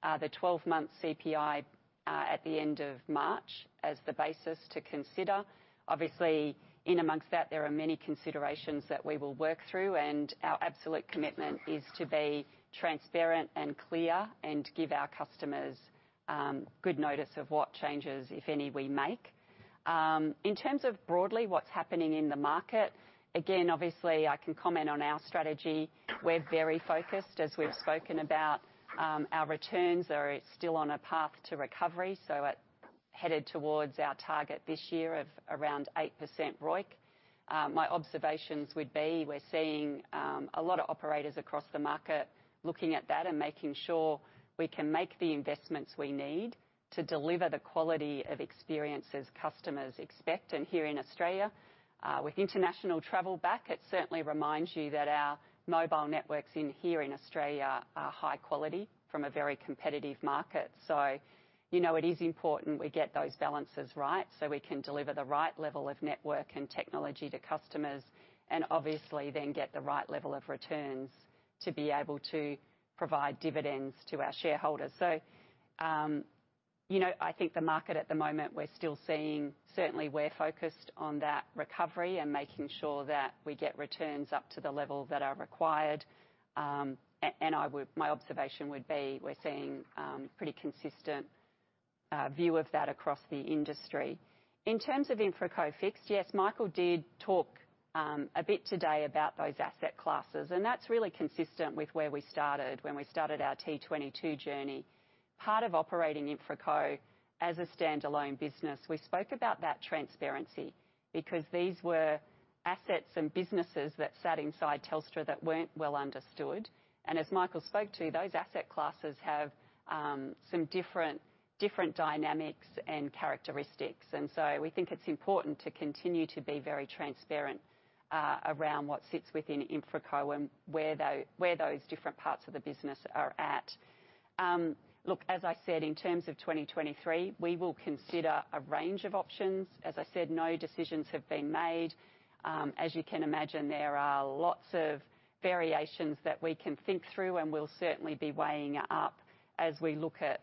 the 12-month CPI at the end of March as the basis to consider. Obviously, in amongst that, there are many considerations that we will work through, and our absolute commitment is to be transparent and clear and give our customers good notice of what changes, if any, we make. In terms of broadly what's happening in the market, again, obviously, I can comment on our strategy. We're very focused, as we've spoken about. Our returns are still on a path to recovery, so it headed towards our target this year of around 8% ROIC. My observations would be, we're seeing a lot of operators across the market looking at that and making sure we can make the investments we need to deliver the quality of experiences customers expect. Here in Australia, with international travel back, it certainly reminds you that our mobile networks in here in Australia are high quality from a very competitive market. you know, it is important we get those balances right so we can deliver the right level of network and technology to customers and obviously then get the right level of returns to be able to provide dividends to our shareholders. you know, I think the market at the moment, we're still seeing. Certainly we're focused on that recovery and making sure that we get returns up to the level that are required. my observation would be, we're seeing pretty consistent view of that across the industry. In terms of InfraCo Fixed, yes, Michael did talk a bit today about those asset classes, and that's really consistent with where we started when we started our T22 journey. Part of operating InfraCo as a standalone business, we spoke about that transparency because these were assets and businesses that sat inside Telstra that weren't well understood. As Michael spoke to, those asset classes have some different dynamics and characteristics. We think it's important to continue to be very transparent around what sits within InfraCo and where those different parts of the business are at. Look, as I said, in terms of 2023, we will consider a range of options. As I said, no decisions have been made. As you can imagine, there are lots of variations that we can think through, and we'll certainly be weighing up as we look at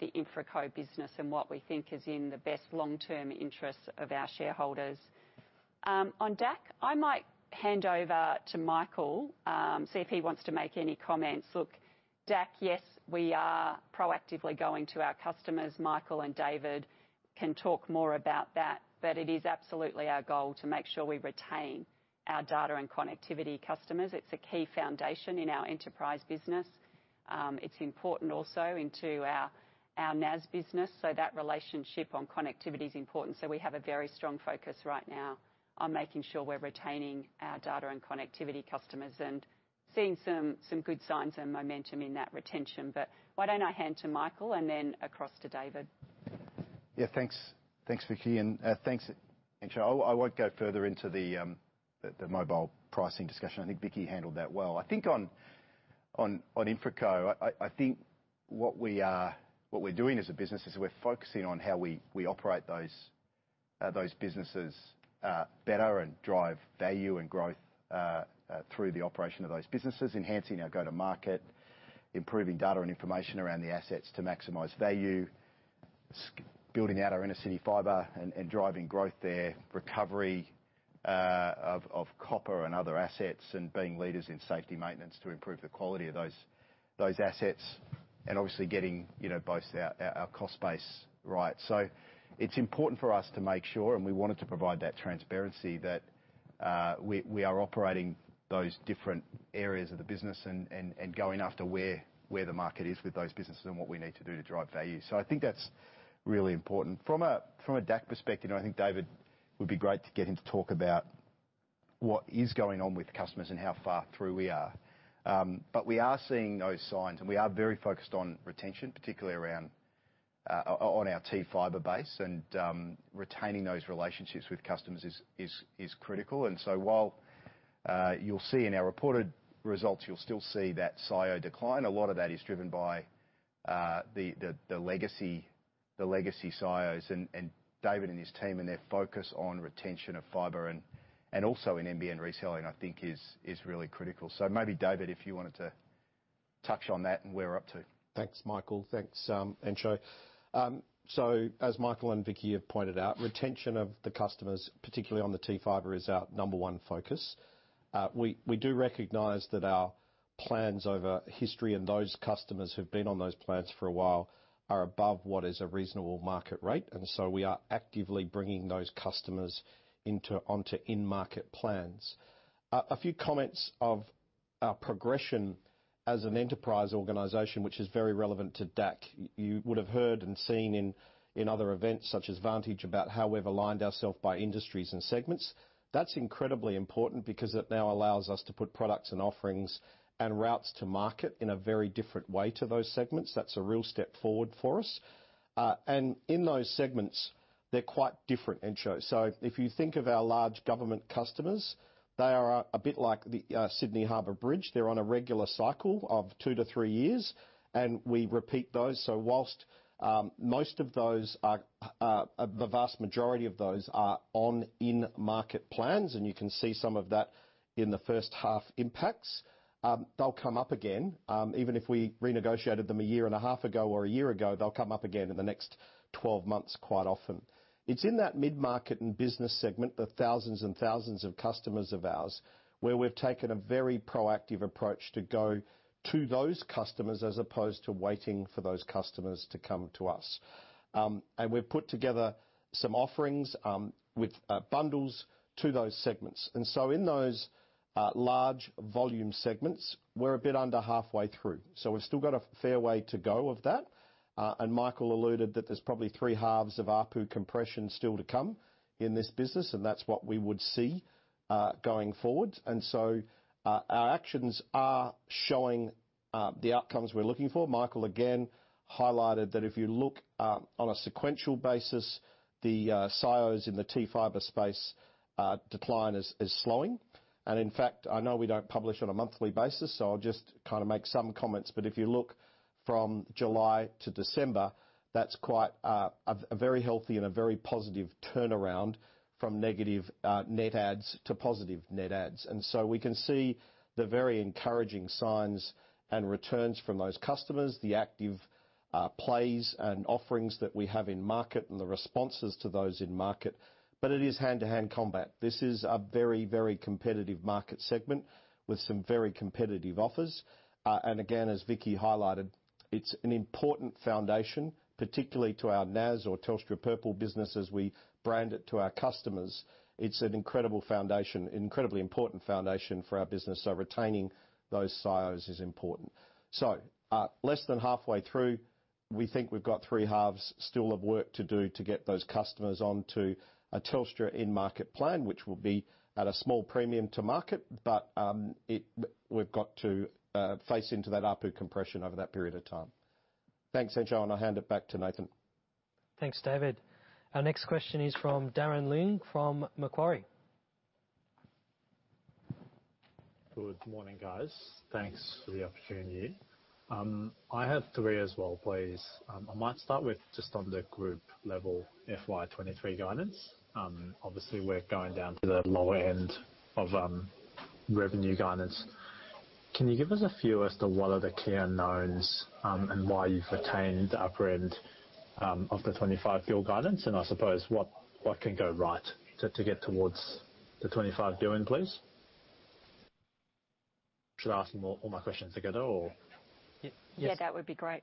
the InfraCo business and what we think is in the best long-term interests of our shareholders. On DAC, I might hand over to Michael, see if he wants to make any comments. Look, DAC, yes, we are proactively going to our customers. Michael and David can talk more about that. It is absolutely our goal to make sure we retain our data and connectivity customers. It's a key foundation in our Enterprise business. It's important also into our NAS business, so that relationship on connectivity is important. We have a very strong focus right now On making sure we're retaining our data and connectivity customers and seeing some good signs and momentum in that retention. Why don't I hand to Michael and then across to David? Thanks. Thanks, Vicki, and thanks, Entcho. I won't go further into the mobile pricing discussion. I think Vicki handled that well. I think on InfraCo, I think what we are, what we're doing as a business is we're focusing on how we operate those businesses better and drive value and growth through the operation of those businesses, enhancing our go-to-market, improving data and information around the assets to maximize value, building out our inner-city fiber and driving growth there, recovery of copper and other assets, and being leaders in safety maintenance to improve the quality of those assets. Obviously getting, you know, both our cost base right. It's important for us to make sure, and we wanted to provide that transparency, that we are operating those different areas of the business and going after where the market is with those businesses and what we need to do to drive value. I think that's really important. From a DAC perspective, and I think David, would be great to get him to talk about what is going on with customers and how far through we are. But we are seeing those signs, and we are very focused on retention, particularly around on our T-Fibre base. Retaining those relationships with customers is critical. While, you'll see in our reported results, you'll still see that SIO decline, a lot of that is driven by the legacy KPIs and David and his team and their focus on retention of fibre and also in NBN reselling, I think is really critical. Maybe David, if you wanted to touch on that and where we're up to. Thanks, Michael. Thanks, Entcho. As Michael and Vicki have pointed out, retention of the customers, particularly on the T-Fibre, is our number one focus. We do recognize that our plans over history and those customers who've been on those plans for a while are above what is a reasonable market rate, we are actively bringing those customers onto in-market plans. A few comments of our progression as an enterprise organization, which is very relevant to DAC. You would have heard and seen in other events such as Vantage about how we've aligned ourselves by industries and segments. That's incredibly important because it now allows us to put products and offerings and routes to market in a very different way to those segments. That's a real step forward for us. In those segments, they're quite different, Entcho. If you think of our large government customers, they are a bit like the Sydney Harbour Bridge. They're on a regular cycle of two to three years, and we repeat those. Whilst most of those are, the vast majority of those are on in-market plans, and you can see some of that in the first half impacts, they'll come up again. Even if we renegotiated them a year and a half ago or a year ago, they'll come up again in the next 12 months, quite often. It's in that mid-market and business segment, the thousands and thousands of customers of ours, where we've taken a very proactive approach to go to those customers as opposed to waiting for those customers to come to us. We've put together some offerings with bundles to those segments. In those large volume segments, we're a bit under halfway through. We've still got a fair way to go of that. Michael alluded that there's probably three halves of ARPU compression still to come in this business, and that's what we would see going forward. Our actions are showing the outcomes we're looking for. Michael, again, highlighted that if you look on a sequential basis, the SIOs in the T-Fibre space decline is slowing. In fact, I know we don't publish on a monthly basis, so I'll just kinda make some comments. If you look from July to December, that's quite a very healthy and a very positive turnaround from negative net adds to positive net adds. We can see the very encouraging signs and returns from those customers, the active plays and offerings that we have in market and the responses to those in market. It is hand-to-hand combat. This is a very, very competitive market segment with some very competitive offers. Again, as Vicki highlighted, it's an important foundation, particularly to our NAS or Telstra Purple business, as we brand it to our customers. It's an incredible foundation, incredibly important foundation for our business, retaining those CIOs is important. Less than halfway through, we think we've got three halves still of work to do to get those customers onto a Telstra in-market plan, which will be at a small premium to market. We've got to face into that ARPU compression over that period of time. Thanks, Entcho, and I'll hand it back to Nathan. Thanks, David. Our next question is from Darren Leung from Macquarie. Good morning, guys. Thanks for the opportunity. I have 3 as well, please. I might start with just on the group level FY 23 guidance. Obviously, we're going down to the lower end of revenue guidance. Can you give us a view as to what are the key unknowns, and why you've retained the upper end of the 25 billion guidance? I suppose what can go right to get towards the 25 billion, please? Should I ask more, all my questions together, or... Yeah. Yeah, that would be great.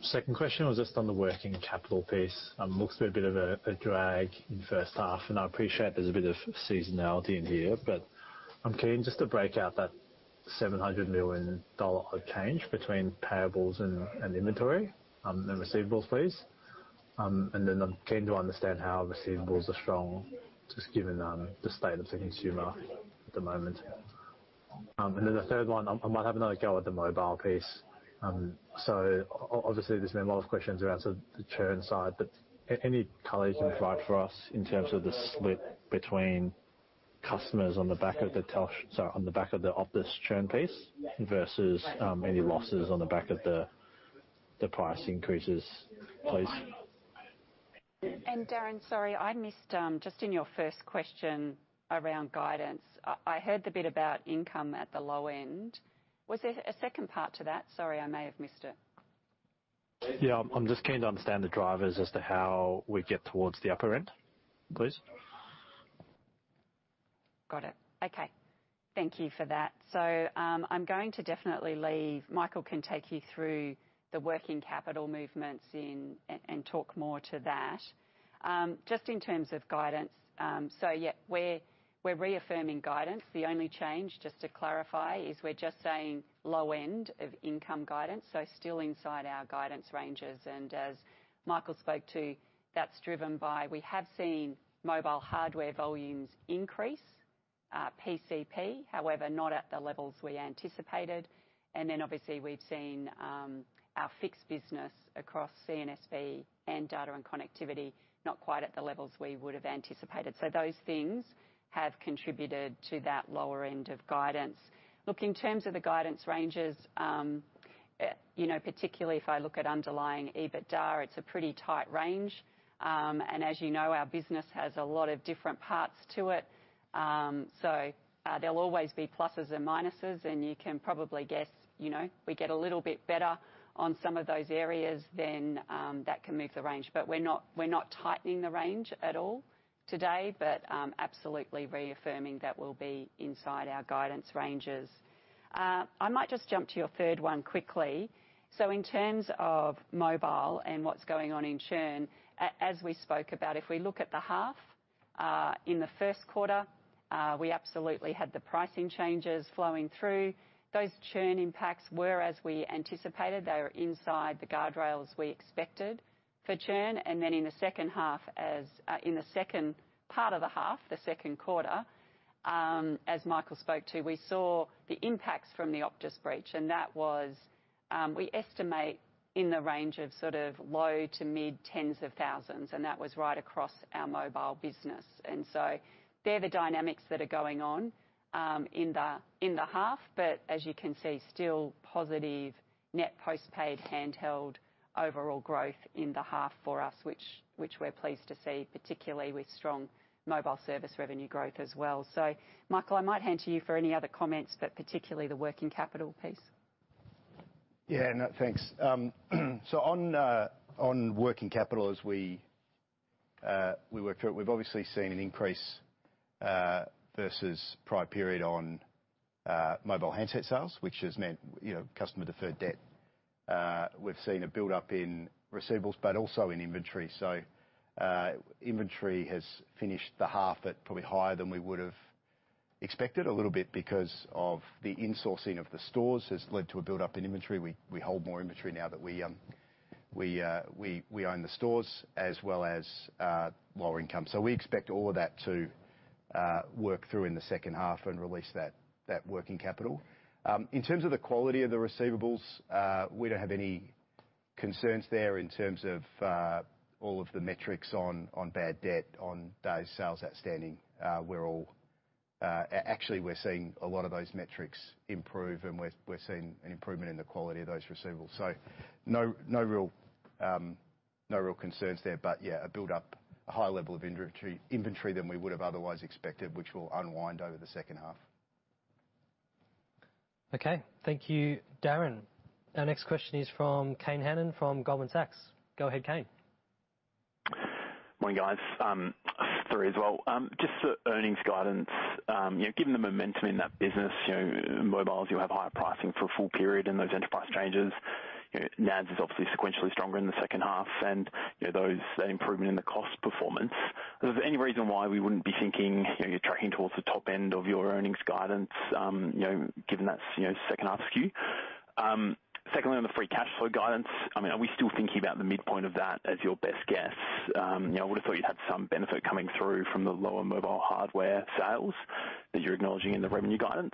Second question was just on the working capital piece. Looks to be a bit of a drag in 1st half, and I appreciate there's a bit of seasonality in here, but I'm keen just to break out that 700 million dollar of change between payables and inventory and receivables, please. I'm keen to understand how receivables are strong, just given the state of the consumer at the moment. The 3rd one, I might have another go at the mobile piece. Obviously there's been a lot of questions around sort of the churn side, but any coloration provide for us in terms of the split between customers on the back of the Optus churn piece versus any losses on the back of the price increases, please. Darren, sorry, I missed, just in your first question around guidance. I heard the bit about income at the low end. Was there a second part to that? Sorry, I may have missed it. Yeah. I'm just keen to understand the drivers as to how we get towards the upper end, please. Got it. Okay. Thank you for that. I'm going to definitely leave. Michael can take you through the working capital movements in and talk more to that. Just in terms of guidance, we're reaffirming guidance. The only change, just to clarify, is we're just saying low end of income guidance, still inside our guidance ranges. As Michael spoke to, that's driven by, we have seen mobile hardware volumes increase, PCP, however, not at the levels we anticipated. Obviously we've seen our fixed business across NPS and data and connectivity, not quite at the levels we would have anticipated. Those things have contributed to that lower end of guidance. Look, in terms of the guidance ranges, you know, particularly if I look at underlying EBITDA, it's a pretty tight range. As you know, our business has a lot of different parts to it. There'll always be pluses and minuses, and you can probably guess, you know, we get a little bit better on some of those areas then, that can move the range. We're not tightening the range at all today, absolutely reaffirming that we'll be inside our guidance ranges. I might just jump to your third one quickly. In terms of mobile and what's going on in churn, as we spoke about, if we look at the half, in the first quarter, we absolutely had the pricing changes flowing through. Those churn impacts were as we anticipated. They were inside the guardrails we expected for churn. In the second half, in the second part of the half, the second quarter, as Michael spoke to, we saw the impacts from the Optus breach. We estimate in the range of sort of low to mid tens of thousands, and that was right across our mobile business. They're the dynamics that are going on in the half. As you can see, still positive net postpaid handheld overall growth in the half for us, which we're pleased to see, particularly with strong mobile service revenue growth as well. Michael, I might hand to you for any other comments, but particularly the working capital piece. No, thanks. On working capital as we work through it, we've obviously seen an increase versus prior period on mobile handset sales, which has meant, you know, customer deferred debt. We've seen a build up in receivables, also in inventory. Inventory has finished the half at probably higher than we would have expected. A little bit because of the insourcing of the stores has led to a build up in inventory. We hold more inventory now that we own the stores as well as lower income. We expect all of that to work through in the second half and release that working capital. In terms of the quality of the receivables, we don't have any concerns there in terms of all of the metrics on bad debt on days sales outstanding. Actually, we're seeing a lot of those metrics improve, and we're seeing an improvement in the quality of those receivables. No, no real, no real concerns there. Yeah, a build up, a high level of inventory than we would have otherwise expected, which will unwind over the second half. Okay. Thank you, Darren. Our next question is from Kane Hannan from Goldman Sachs. Go ahead, Kane. Morning, guys. Sorry as well. Just the earnings guidance. You know, given the momentum in that business, you know, mobiles, you have higher pricing for a full period and those enterprise changes. You know, NAS is obviously sequentially stronger in the second half and, you know, those, the improvement in the cost performance. Is there any reason why we wouldn't be thinking, you know, you're tracking towards the top end of your earnings guidance, you know, given that, you know, second half skew? Secondly, on the free cash flow guidance, I mean, are we still thinking about the midpoint of that as your best guess? You know, I would've thought you'd have some benefit coming through from the lower mobile hardware sales that you're acknowledging in the revenue guidance.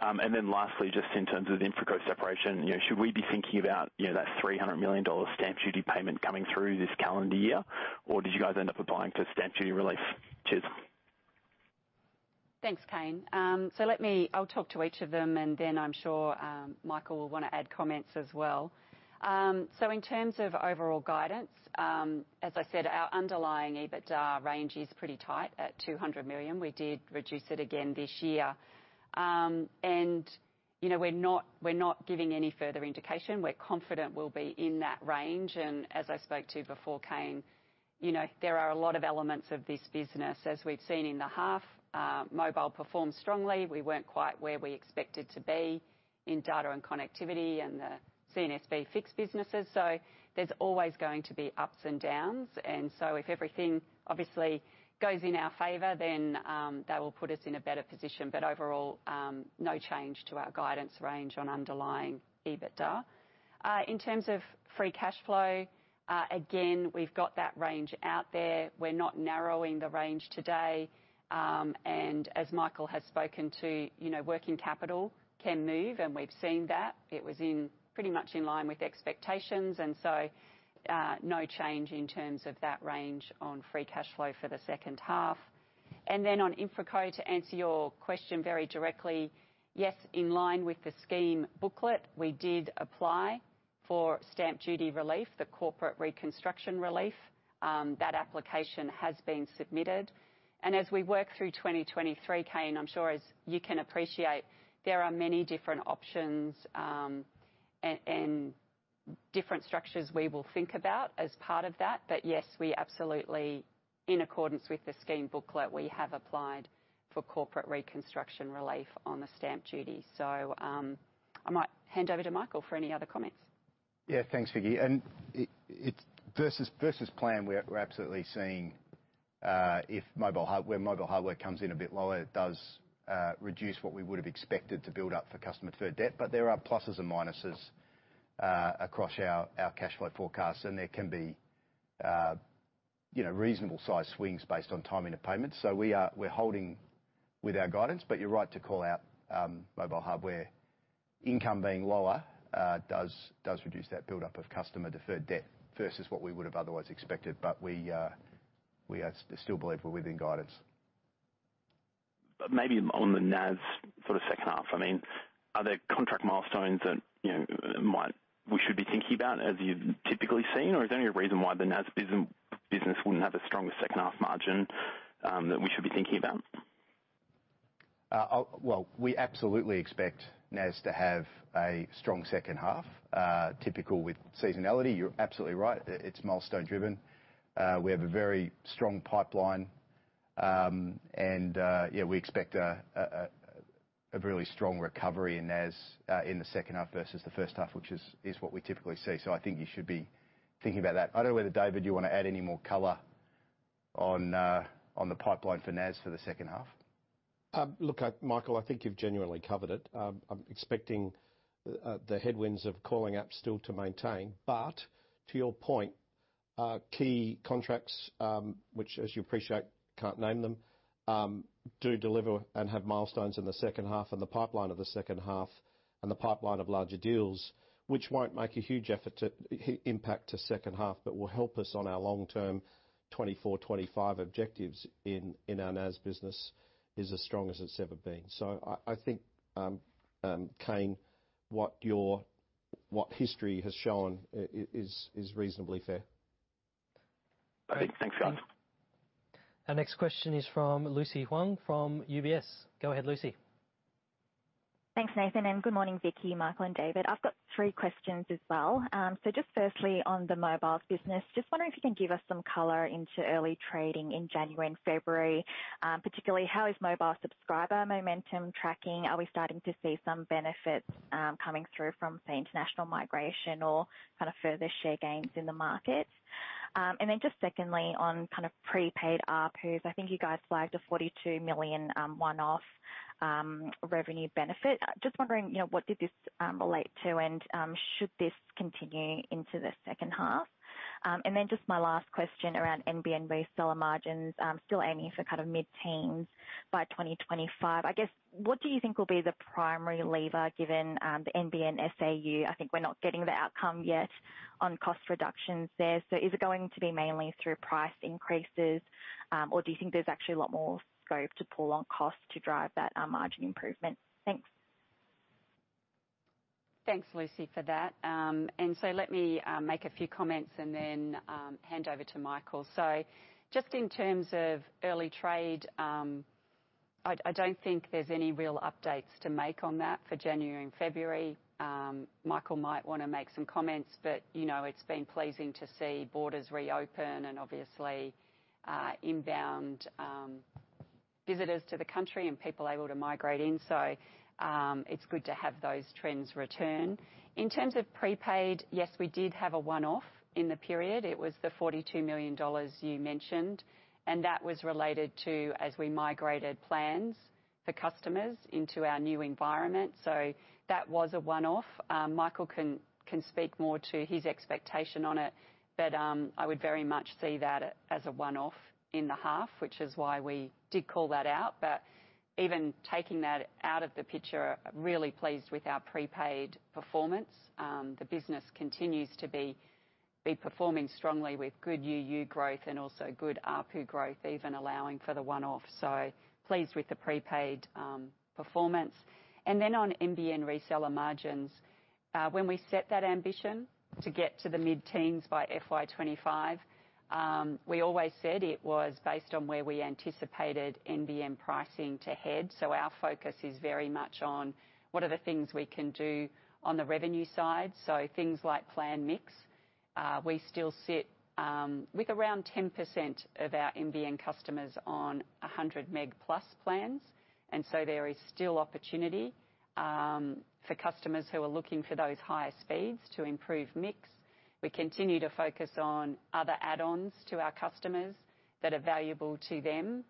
Lastly, just in terms of the infra cost separation, you know, should we be thinking about, you know, that 300 million dollar stamp duty payment coming through this calendar year, or did you guys end up applying for stamp duty release? Cheers. Thanks, Kane. I'll talk to each of them, and then I'm sure Michael will wanna add comments as well. In terms of overall guidance, as I said, our underlying EBITDA range is pretty tight at 200 million. We did reduce it again this year. You know, we're not giving any further indication. We're confident we'll be in that range. As I spoke to you before, Kane, you know, there are a lot of elements of this business. As we've seen in the half, mobile performed strongly. We weren't quite where we expected to be in data and connectivity and the CNSB fixed businesses. There's always going to be ups and downs. If everything obviously goes in our favor, then that will put us in a better position. Overall, no change to our guidance range on underlying EBITDA. In terms of free cash flow, again, we've got that range out there. We're not narrowing the range today. As Michael has spoken to, you know, working capital can move, and we've seen that. It was pretty much in line with expectations. So, no change in terms of that range on free cash flow for the second half. Then on InfraCo, to answer your question very directly, yes, in line with the scheme booklet, we did apply for stamp duty relief, the corporate reconstruction relief. That application has been submitted. As we work through 2023, Kane, I'm sure as you can appreciate, there are many different options, and different structures we will think about as part of that. Yes, we absolutely, in accordance with the scheme booklet, we have applied for corporate reconstruction relief on the stamp duty. I might hand over to Michael for any other comments. Thanks, Vicki. It's versus plan, we're absolutely seeing, if mobile where mobile hardware comes in a bit lower, it does reduce what we would have expected to build up for customer deferred debt. There are pluses and minuses across our cash flow forecast, and there can be, you know, reasonable-sized swings based on timing of payments. We're holding with our guidance. You're right to call out, mobile hardware income being lower, does reduce that buildup of customer deferred debt versus what we would have otherwise expected. We still believe we're within guidance. Maybe on the NAS for the second half, I mean, are there contract milestones that, you know, we should be thinking about as you've typically seen? Or is there any reason why the NAS business wouldn't have a stronger second half margin, that we should be thinking about? Well, we absolutely expect NAS to have a strong second half, typical with seasonality. You're absolutely right. It's milestone driven. We have a very strong pipeline. And, yeah, we expect a really strong recovery in NAS, in the second half versus the first half, which is what we typically see. I think you should be thinking about that. I don't know whether, David, you want to add any more color on the pipeline for NAS for the second half. Look, Michael, I think you've genuinely covered it. I'm expecting the headwinds of calling up still to maintain. To your point, key contracts, which as you appreciate, can't name them, do deliver and have milestones in the second half and the pipeline of the second half and the pipeline of larger deals, which won't make a huge impact to second half, but will help us on our long-term 2024/2025 objectives in our NAS business, is as strong as it's ever been. I think, Kane, what your, what history has shown is reasonably fair. Great. Thanks, guys. Our next question is from Lucy Huang from UBS. Go ahead, Lucy. Thanks, Nathan. Good morning, Vicki, Michael, and David. I've got 3 questions as well. Just firstly, on the mobile business, just wondering if you can give us some color into early trading in January and February. Particularly, how is mobile subscriber momentum tracking? Are we starting to see some benefits coming through from, say, international migration or kind of further share gains in the market? Just secondly, on kind of prepaid ARPU, I think you guys flagged an 42 million one-off revenue benefit. Just wondering, you know, what did this relate to and should this continue into the second half? Just my last question around NBN reseller margins, still aiming for kind of mid-teens by 2025. I guess, what do you think will be the primary lever given the NBN SAU? I think we're not getting the outcome yet on cost reductions there. Is it going to be mainly through price increases, or do you think there's actually a lot more scope to pull on cost to drive that margin improvement? Thanks. Thanks, Lucy, for that. Let me make a few comments and then hand over to Michael. Just in terms of early trade, I don't think there's any real updates to make on that for January and February. Michael might wanna make some comments, but, you know, it's been pleasing to see borders reopen and obviously inbound visitors to the country and people able to migrate in. It's good to have those trends return. In terms of prepaid, yes, we did have a one-off in the period. It was the $42 million you mentioned, and that was related to as we migrated plans for customers into our new environment. That was a one-off. Michael can speak more to his expectation on it, but I would very much see that as a one-off in the half, which is why we did call that out. Even taking that out of the picture, really pleased with our prepaid performance. The business continues to be performing strongly with good UU growth and also good ARPU growth, even allowing for the one-off. Pleased with the prepaid performance. On NBN reseller margins, when we set that ambition to get to the mid-teens by FY25, we always said it was based on where we anticipated NBN pricing to head. Our focus is very much on what are the things we can do on the revenue side. Things like plan mix, we still sit with around 10% of our NBN customers on 100 meg plus plans. There is still opportunity for customers who are looking for those higher speeds to improve mix. We continue to focus on other add-ons to our customers that are valuable to them.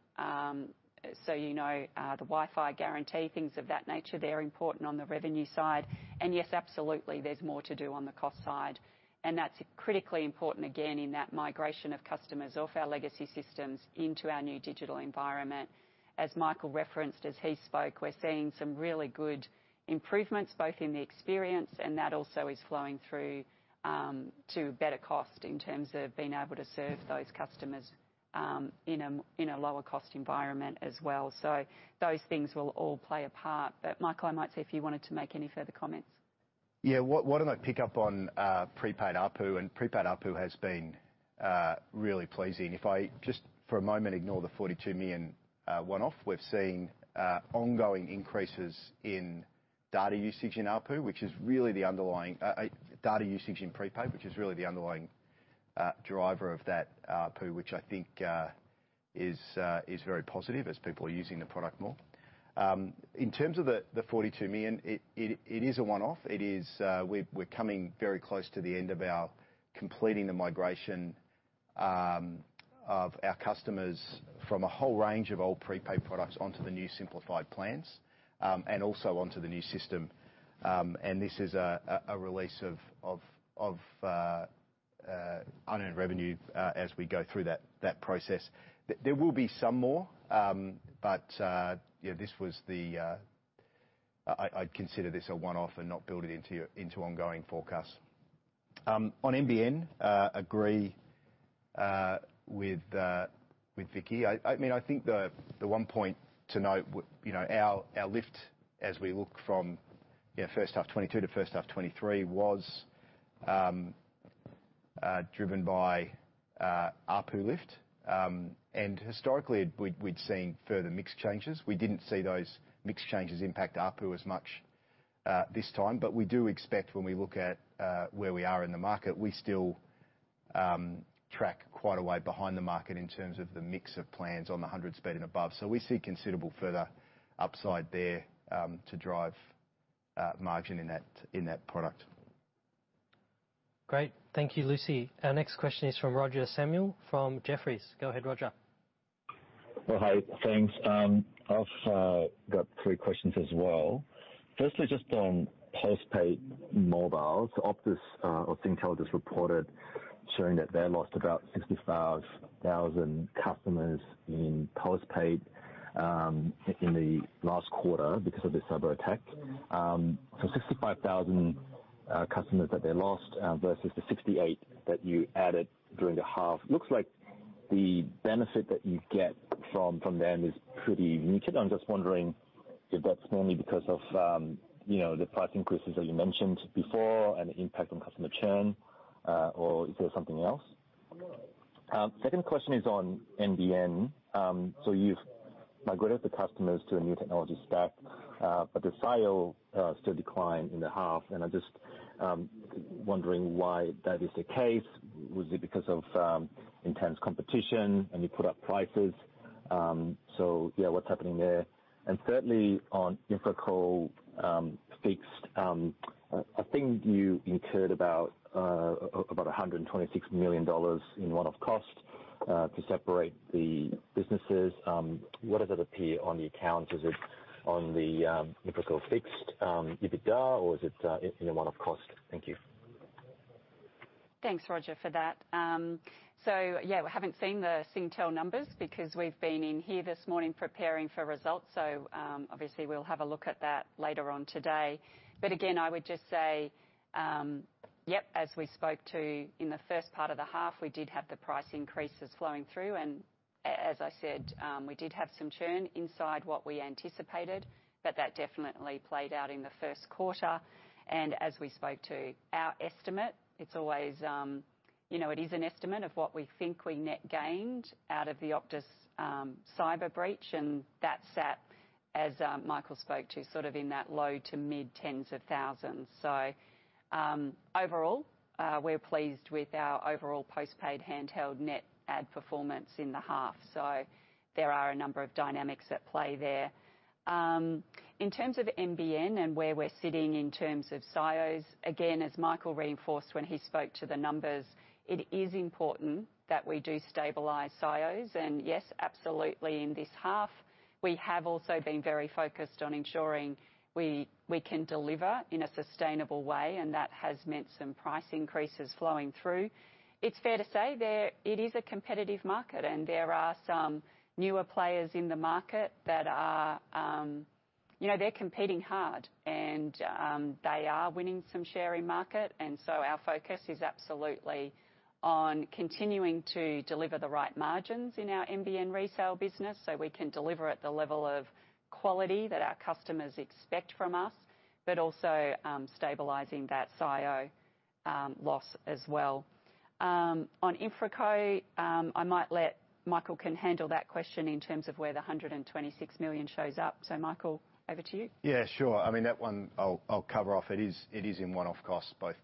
So, you know, the Wi-Fi Guarantee, things of that nature, they're important on the revenue side. Yes, absolutely there's more to do on the cost side, and that's critically important, again, in that migration of customers off our legacy systems into our new digital environment. As Michael referenced as he spoke, we're seeing some really good improvements both in the experience and that also is flowing through, to better cost in terms of being able to serve those customers, in a lower cost environment as well. Those things will all play a part. Michael, I might see if you wanted to make any further comments. What, why don't I pick up on prepaid ARPU. Prepaid ARPU has been really pleasing. If I just for a moment, ignore the $42 million one-off. We've seen ongoing increases in data usage in ARPU, which is really the underlying data usage in prepaid, which is really the underlying driver of that ARPU, which I think is very positive as people are using the product more. In terms of the $42 million, it is a one-off. It is, we're coming very close to the end of our completing the migration of our customers from a whole range of old prepaid products onto the new simplified plans, also onto the new system. This is a release of unearned revenue as we go through that process. There will be some more, you know, this was the... I'd consider this a one-off and not build it into your ongoing forecasts. On NBN, agree with Vicki. I mean, I think the one point to note, you know, our lift as we look from, you know, first half 2022 to first half 2023 was driven by ARPU lift. Historically we'd seen further mix changes. We didn't see those mix changes impact ARPU as much this time. We do expect when we look at where we are in the market, we still track quite a way behind the market in terms of the mix of plans on the 100 speed and above. We see considerable further upside there to drive margin in that, in that product. Great. Thank you, Lucy. Our next question is from Roger Samuel from Jefferies. Go ahead, Roger. Well, hi, thanks. I've got 3 questions as well. Firstly, just on postpaid mobiles, Optus, or Singtel just reported showing that they lost about 65,000 customers in postpaid in the last quarter because of the cyberattack. 65,000 customers that they lost versus the 68 that you added during the half. Looks like the benefit that you get from them is pretty muted. I'm just wondering if that's mainly because of, you know, the price increases that you mentioned before and the impact on customer churn, or is there something else? 2nd question is on NBN. You've migrated the customers to a new technology stack, but the SIO still declined in the half, and I'm just wondering why that is the case. Was it because of intense competition and you put up prices? Yeah, what's happening there? Thirdly, on InfraCo Fixed. I think you incurred about 126 million dollars in one-off costs to separate the businesses. Where does it appear on the accounts? Is it on the InfraCo Fixed EBITDA, or is it in a one-off cost? Thank you. Thanks, Roger, for that. Yeah, we haven't seen the Singtel numbers because we've been in here this morning preparing for results. Obviously we'll have a look at that later on today. Again, I would just say, yep, as we spoke to in the first part of the half, we did have the price increases flowing through and as I said, we did have some churn inside what we anticipated, but that definitely played out in the first quarter. As we spoke to our estimate, it's always, you know, it is an estimate of what we think we net gained out of the Optus cyber breach, and that sat, as Michael spoke to, sort of in that low to mid tens of thousands. Overall, we're pleased with our overall postpaid handheld net add performance in the half. There are a number of dynamics at play there. In terms of NBN and where we're sitting in terms of SIOs, again, as Michael reinforced when he spoke to the numbers, it is important that we do stabilize SIOs. Yes, absolutely, in this half, we have also been very focused on ensuring we can deliver in a sustainable way, and that has meant some price increases flowing through. It's fair to say there, it is a competitive market and there are some newer players in the market that are, you know, they're competing hard and they are winning some share in market. Our focus is absolutely on continuing to deliver the right margins in our NBN resale business, so we can deliver at the level of quality that our customers expect from us, but also, stabilizing that SIO loss as well. On InfraCo, I might let Michael can handle that question in terms of where the 126 million shows up. Michael, over to you. Yeah, sure. I mean, that one I'll cover off. It is in one-off costs, both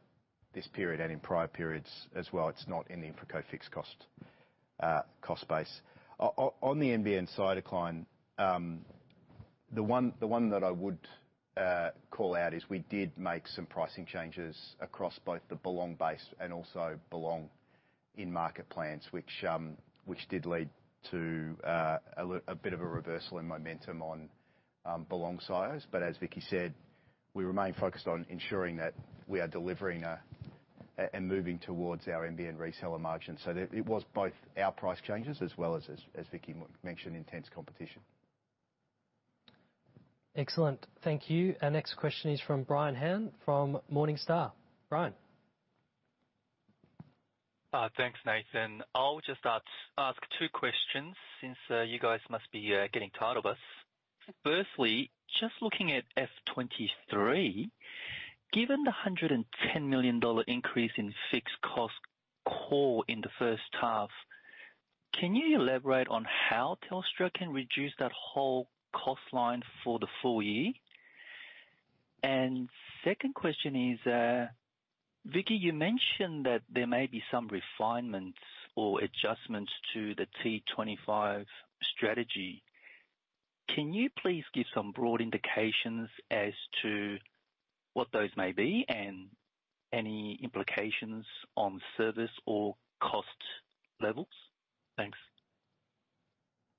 this period and in prior periods as well. It's not in the InfraCo Fixed cost base. On the NBN side decline, the one that I would call out is we did make some pricing changes across both the Belong base and also Belong in-market plans, which did lead to a bit of a reversal in momentum on Belong sides. As Vicki said, we remain focused on ensuring that we are delivering and moving towards our NBN reseller margins. It was both our price changes as well as Vicki mentioned, intense competition. Excellent. Thank you. Our next question is from Brian Han from Morningstar. Brian. Thanks, Nathan. I'll just ask two questions since you guys must be getting tired of us. Firstly, just looking at FY23, given the 110 million dollar increase in fixed cost core in the first half, can you elaborate on how Telstra can reduce that whole cost line for the full year? Second question is, Vicki, you mentioned that there may be some refinements or adjustments to the T25 strategy. Can you please give some broad indications as to what those may be and any implications on service or cost levels? Thanks.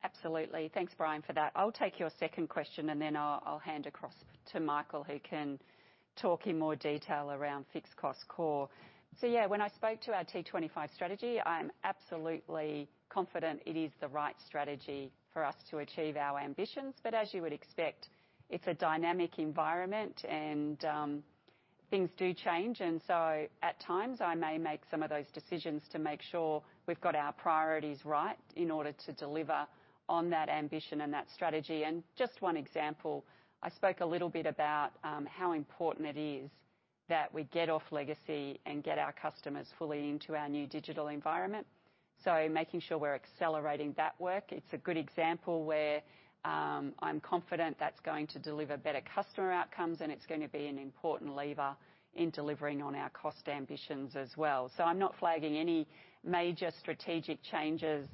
Absolutely. Thanks, Brian, for that. I'll take your second question, then I'll hand across to Michael, who can talk in more detail around fixed cost core. Yeah, when I spoke to our T25 strategy, I am absolutely confident it is the right strategy for us to achieve our ambitions. As you would expect, it's a dynamic environment and things do change. At times I may make some of those decisions to make sure we've got our priorities right in order to deliver on that ambition and that strategy. Just one example, I spoke a little about how important it is that we get off legacy and get our customers fully into our new digital environment. Making sure we're accelerating that work, it's a good example where, I'm confident that's going to deliver better customer outcomes, and it's gonna be an important lever in delivering on our cost ambitions as well. I'm not flagging any major strategic changes,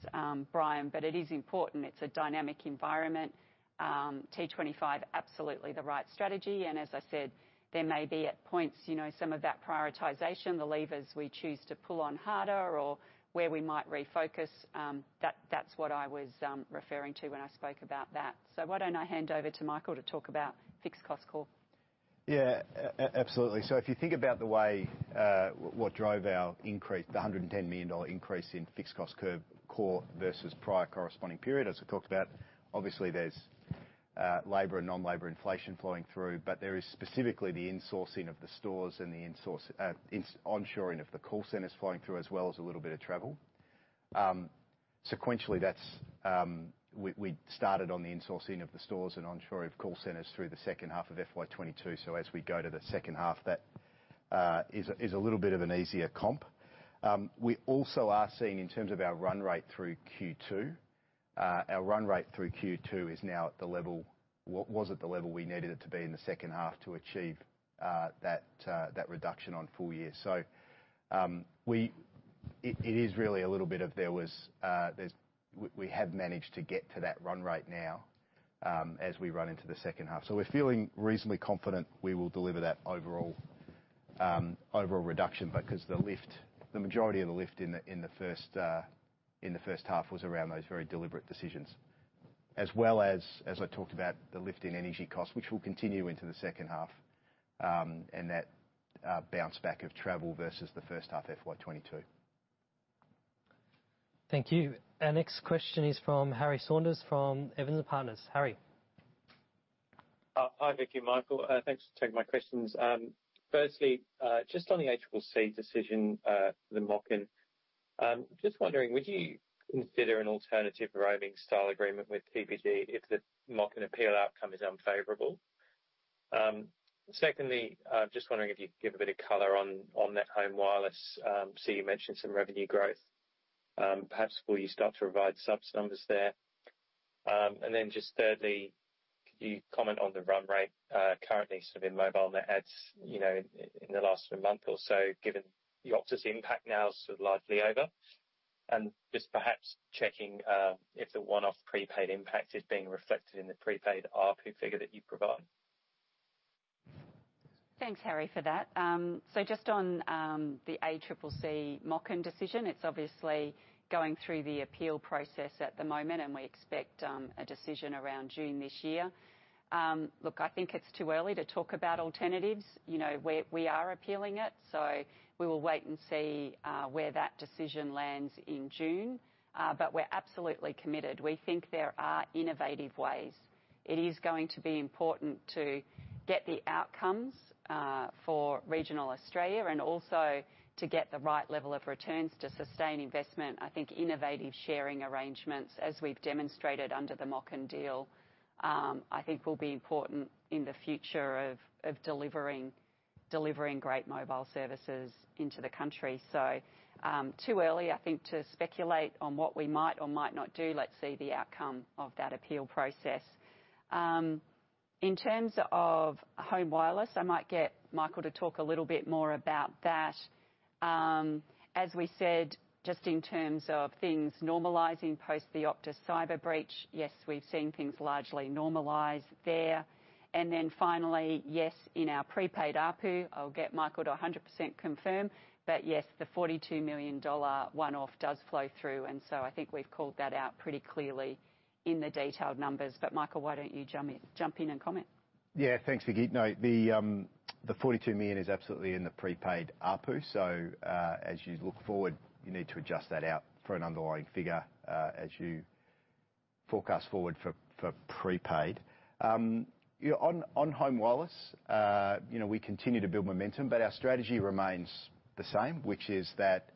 Brian, but it is important. It's a dynamic environment. T25, absolutely the right strategy. As I said, there may be at points, you know, some of that prioritization, the levers we choose to pull on harder or where we might refocus, that's what I was referring to when I spoke about that. Why don't I hand over to Michael to talk about fixed cost core? Absolutely. If you think about the way what drove our increase, the $110 million increase in fixed cost curve core versus prior corresponding period, as we talked about, obviously there's labor and non-labor inflation flowing through. There is specifically the insourcing of the stores and the onshoring of the call centers flowing through as well as a little bit of travel. Sequentially, that's we started on the insourcing of the stores and onshoring of call centers through the second half of FY22. As we go to the second half, that is a little bit of an easier comp. We also are seeing in terms of our run rate through Q2, our run rate through Q2 is now at the level, what was at the level we needed it to be in the second half to achieve that reduction on full year. It is really a little bit of there was We have managed to get to that run rate now as we run into the second half. We're feeling reasonably confident we will deliver that overall reduction because the lift, the majority of the lift in the first half was around those very deliberate decisions. As well as I talked about the lift in energy costs, which will continue into the second half, and that bounce back of travel versus the first half FY22. Thank you. Our next question is from Harry Saunders from Evans & Partners. Harry. Hi, Vicki and Michael. Thanks for taking my questions. Firstly, just on the ACCC decision, the MOCN, just wondering, would you consider an alternative roaming style agreement with TPG if the MOCN appeal outcome is unfavorable? Secondly, I'm just wondering if you could give a bit of color on NetHome Wireless. You mentioned some revenue growth. Perhaps will you start to provide subs numbers there? Thirdly, could you comment on the run rate currently sort of in mobile net adds, you know, in the last month or so, given the Optus impact now is sort of largely over? Just perhaps checking if the one-off prepaid impact is being reflected in the prepaid ARPU figure that you've provided. Thanks, Harry, for that. Just on the ACCC MOCN decision, it's obviously going through the appeal process at the moment, and we expect a decision around June this year. Look, I think it's too early to talk about alternatives. You know, we are appealing it, so we will wait and see where that decision lands in June. We're absolutely committed. We think there are innovative ways. It is going to be important to get the outcomes for regional Australia and also to get the right level of returns to sustain investment. I think innovative sharing arrangements, as we've demonstrated under the MOCN deal, I think will be important in the future of delivering great mobile services into the country. Too early I think to speculate on what we might or might not do. Let's see the outcome of that appeal process. In terms of Home Wireless, I might get Michael to talk a little bit more about that. As we said, just in terms of things normalizing post the Optus cyber breach. Yes, we've seen things largely normalize there. Finally, yes, in our prepaid ARPU, I'll get Michael to 100% confirm. Yes, the 42 million dollar one-off does flow through, I think we've called that out pretty clearly in the detailed numbers. Michael, why don't you jump in and comment? Yeah, thanks, Vicki. No, the 42 million is absolutely in the prepaid ARPU. As you look forward, you need to adjust that out for an underlying figure, as you forecast forward for prepaid. You know, on Home Wireless, you know, we continue to build momentum, but our strategy remains the same, which is that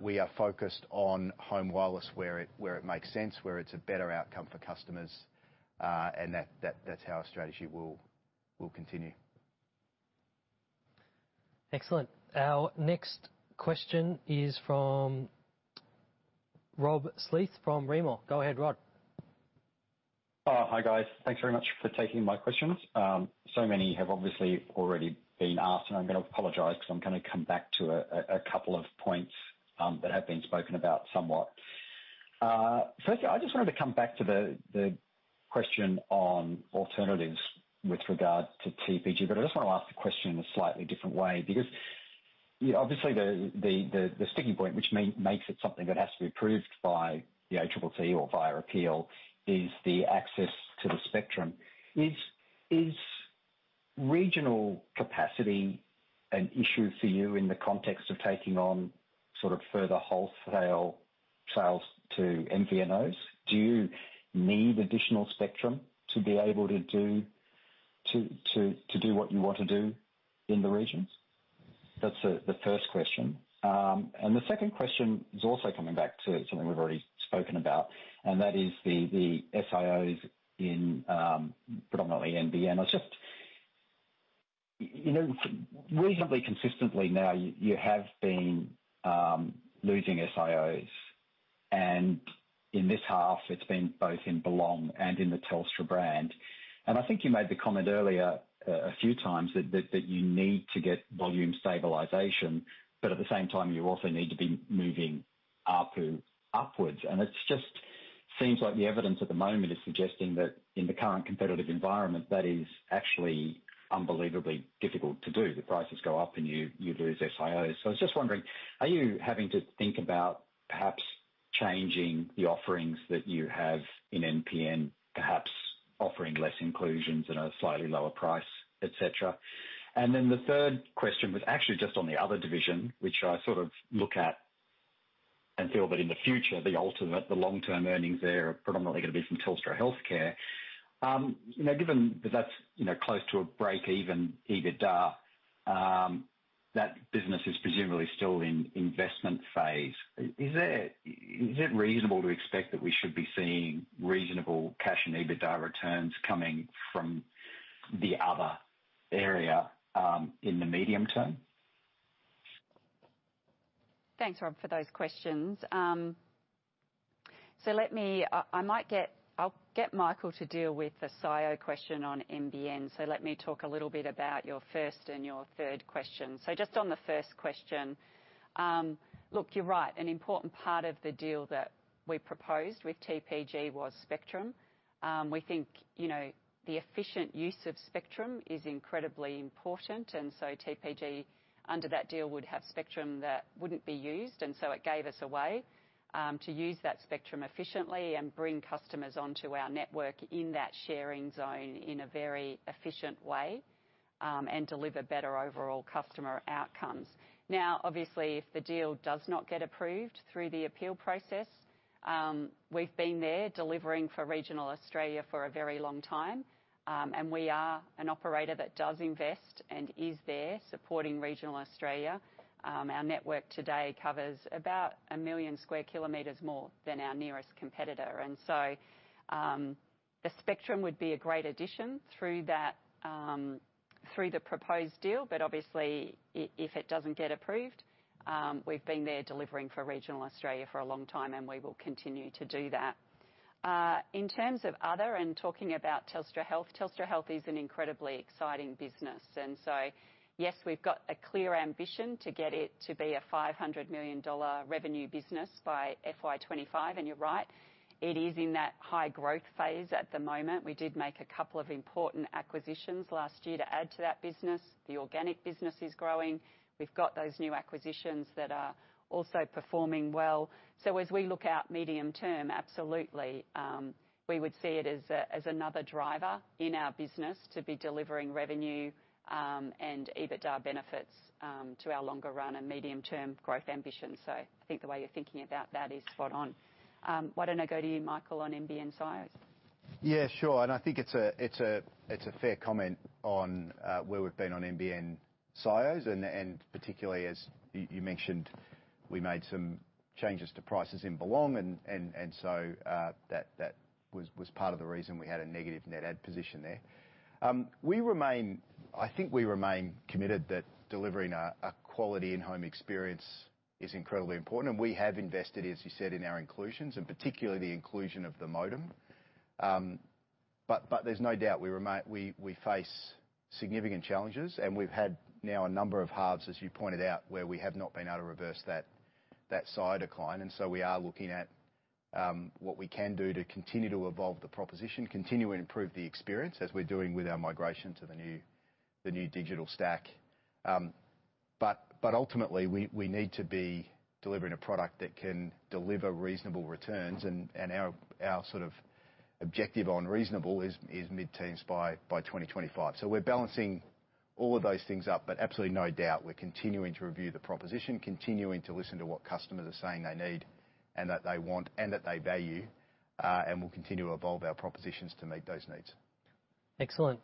we are focused on Home Wireless where it makes sense, where it's a better outcome for customers, and that's how our strategy will continue. Excellent. Our next question is from Rod Sleath from Jarden. Go ahead, Rod. Hi, guys. Thanks very much for taking my questions. Many have obviously already been asked, and I'm gonna apologize because I'm gonna come back to a couple of points that have been spoken about somewhat. First of all, I just wanted to come back to the question on alternatives with regard to TPG, I just wanna ask the question in a slightly different way, because obviously the sticking point, which makes it something that has to be approved by the Triple T or via appeal is the access to the spectrum. Is regional capacity an issue for you in the context of taking on sort of further wholesale sales to MVNOs? Do you need additional spectrum to be able to do what you want to do in the regions? That's the first question. The second question is also coming back to something we've already spoken about, and that is the SIOs in predominantly NBN. You know, reasonably consistently now, you have been losing SIOs, and in this half it's been both in Belong and in the Telstra brand. I think you made the comment earlier a few times that you need to get volume stabilization, but at the same time you also need to be moving ARPU upwards. It just seems like the evidence at the moment is suggesting that in the current competitive environment, that is actually unbelievably difficult to do. The prices go up and you lose SIOs. I was just wondering, are you having to think about perhaps changing the offerings that you have in NBN, perhaps offering less inclusions at a slightly lower price, et cetera? The third question was actually just on the other division, which I sort of look at and feel that in the future, the ultimate, the long-term earnings there are predominantly gonna be from Telstra Health. You know, given that that's, you know, close to a break-even EBITDA, that business is presumably still in investment phase. Is it reasonable to expect that we should be seeing reasonable cash and EBITDA returns coming from the other area, in the medium term? Thanks, Rod, for those questions. I'll get Michael to deal with the SIO question on NBN. Let me talk a little bit about your first and your third question. Just on the first question, look, you're right. An important part of the deal that we proposed with TPG was spectrum. We think, you know, the efficient use of spectrum is incredibly important, and so TPG, under that deal, would have spectrum that wouldn't be used, and so it gave us a way to use that spectrum efficiently and bring customers onto our network in that sharing zone in a very efficient way and deliver better overall customer outcomes. Obviously, if the deal does not get approved through the appeal process, we've been there delivering for regional Australia for a very long time. We are an operator that does invest and is there supporting regional Australia. Our network today covers about 1 million square kilometers more than our nearest competitor. The spectrum would be a great addition through that, through the proposed deal, but obviously if it doesn't get approved, we've been there delivering for regional Australia for a long time, and we will continue to do that. In terms of other and talking about Telstra Health, Telstra Health is an incredibly exciting business. Yes, we've got a clear ambition to get it to be an 500 million dollar revenue business by FY25. You're right, it is in that high growth phase at the moment. We did make a couple of important acquisitions last year to add to that business. The organic business is growing. We've got those new acquisitions that are also performing well. As we look out medium term, absolutely, we would see it as another driver in our business to be delivering revenue and EBITDA benefits to our longer run and medium-term growth ambitions. I think the way you're thinking about that is spot on. Why don't I go to you, Michael, on NBN SIOs? I think it's a fair comment on where we've been on NBN SIOs, and particularly as you mentioned, we made some... Changes to prices in Belong and so that was part of the reason we had a negative net add position there. We remain committed that delivering a quality in-home experience is incredibly important, and we have invested, as you said, in our inclusions, and particularly the inclusion of the modem. But there's no doubt we face significant challenges, and we've had now a number of halves, as you pointed out, where we have not been able to reverse that side decline. So we are looking at what we can do to continue to evolve the proposition, continue to improve the experience as we're doing with our migration to the new digital stack. Ultimately, we need to be delivering a product that can deliver reasonable returns and our sort of objective on reasonable is mid-teens by 2025. We're balancing all of those things up, but absolutely no doubt we're continuing to review the proposition, continuing to listen to what customers are saying they need and that they want and that they value. We'll continue to evolve our propositions to meet those needs. Excellent.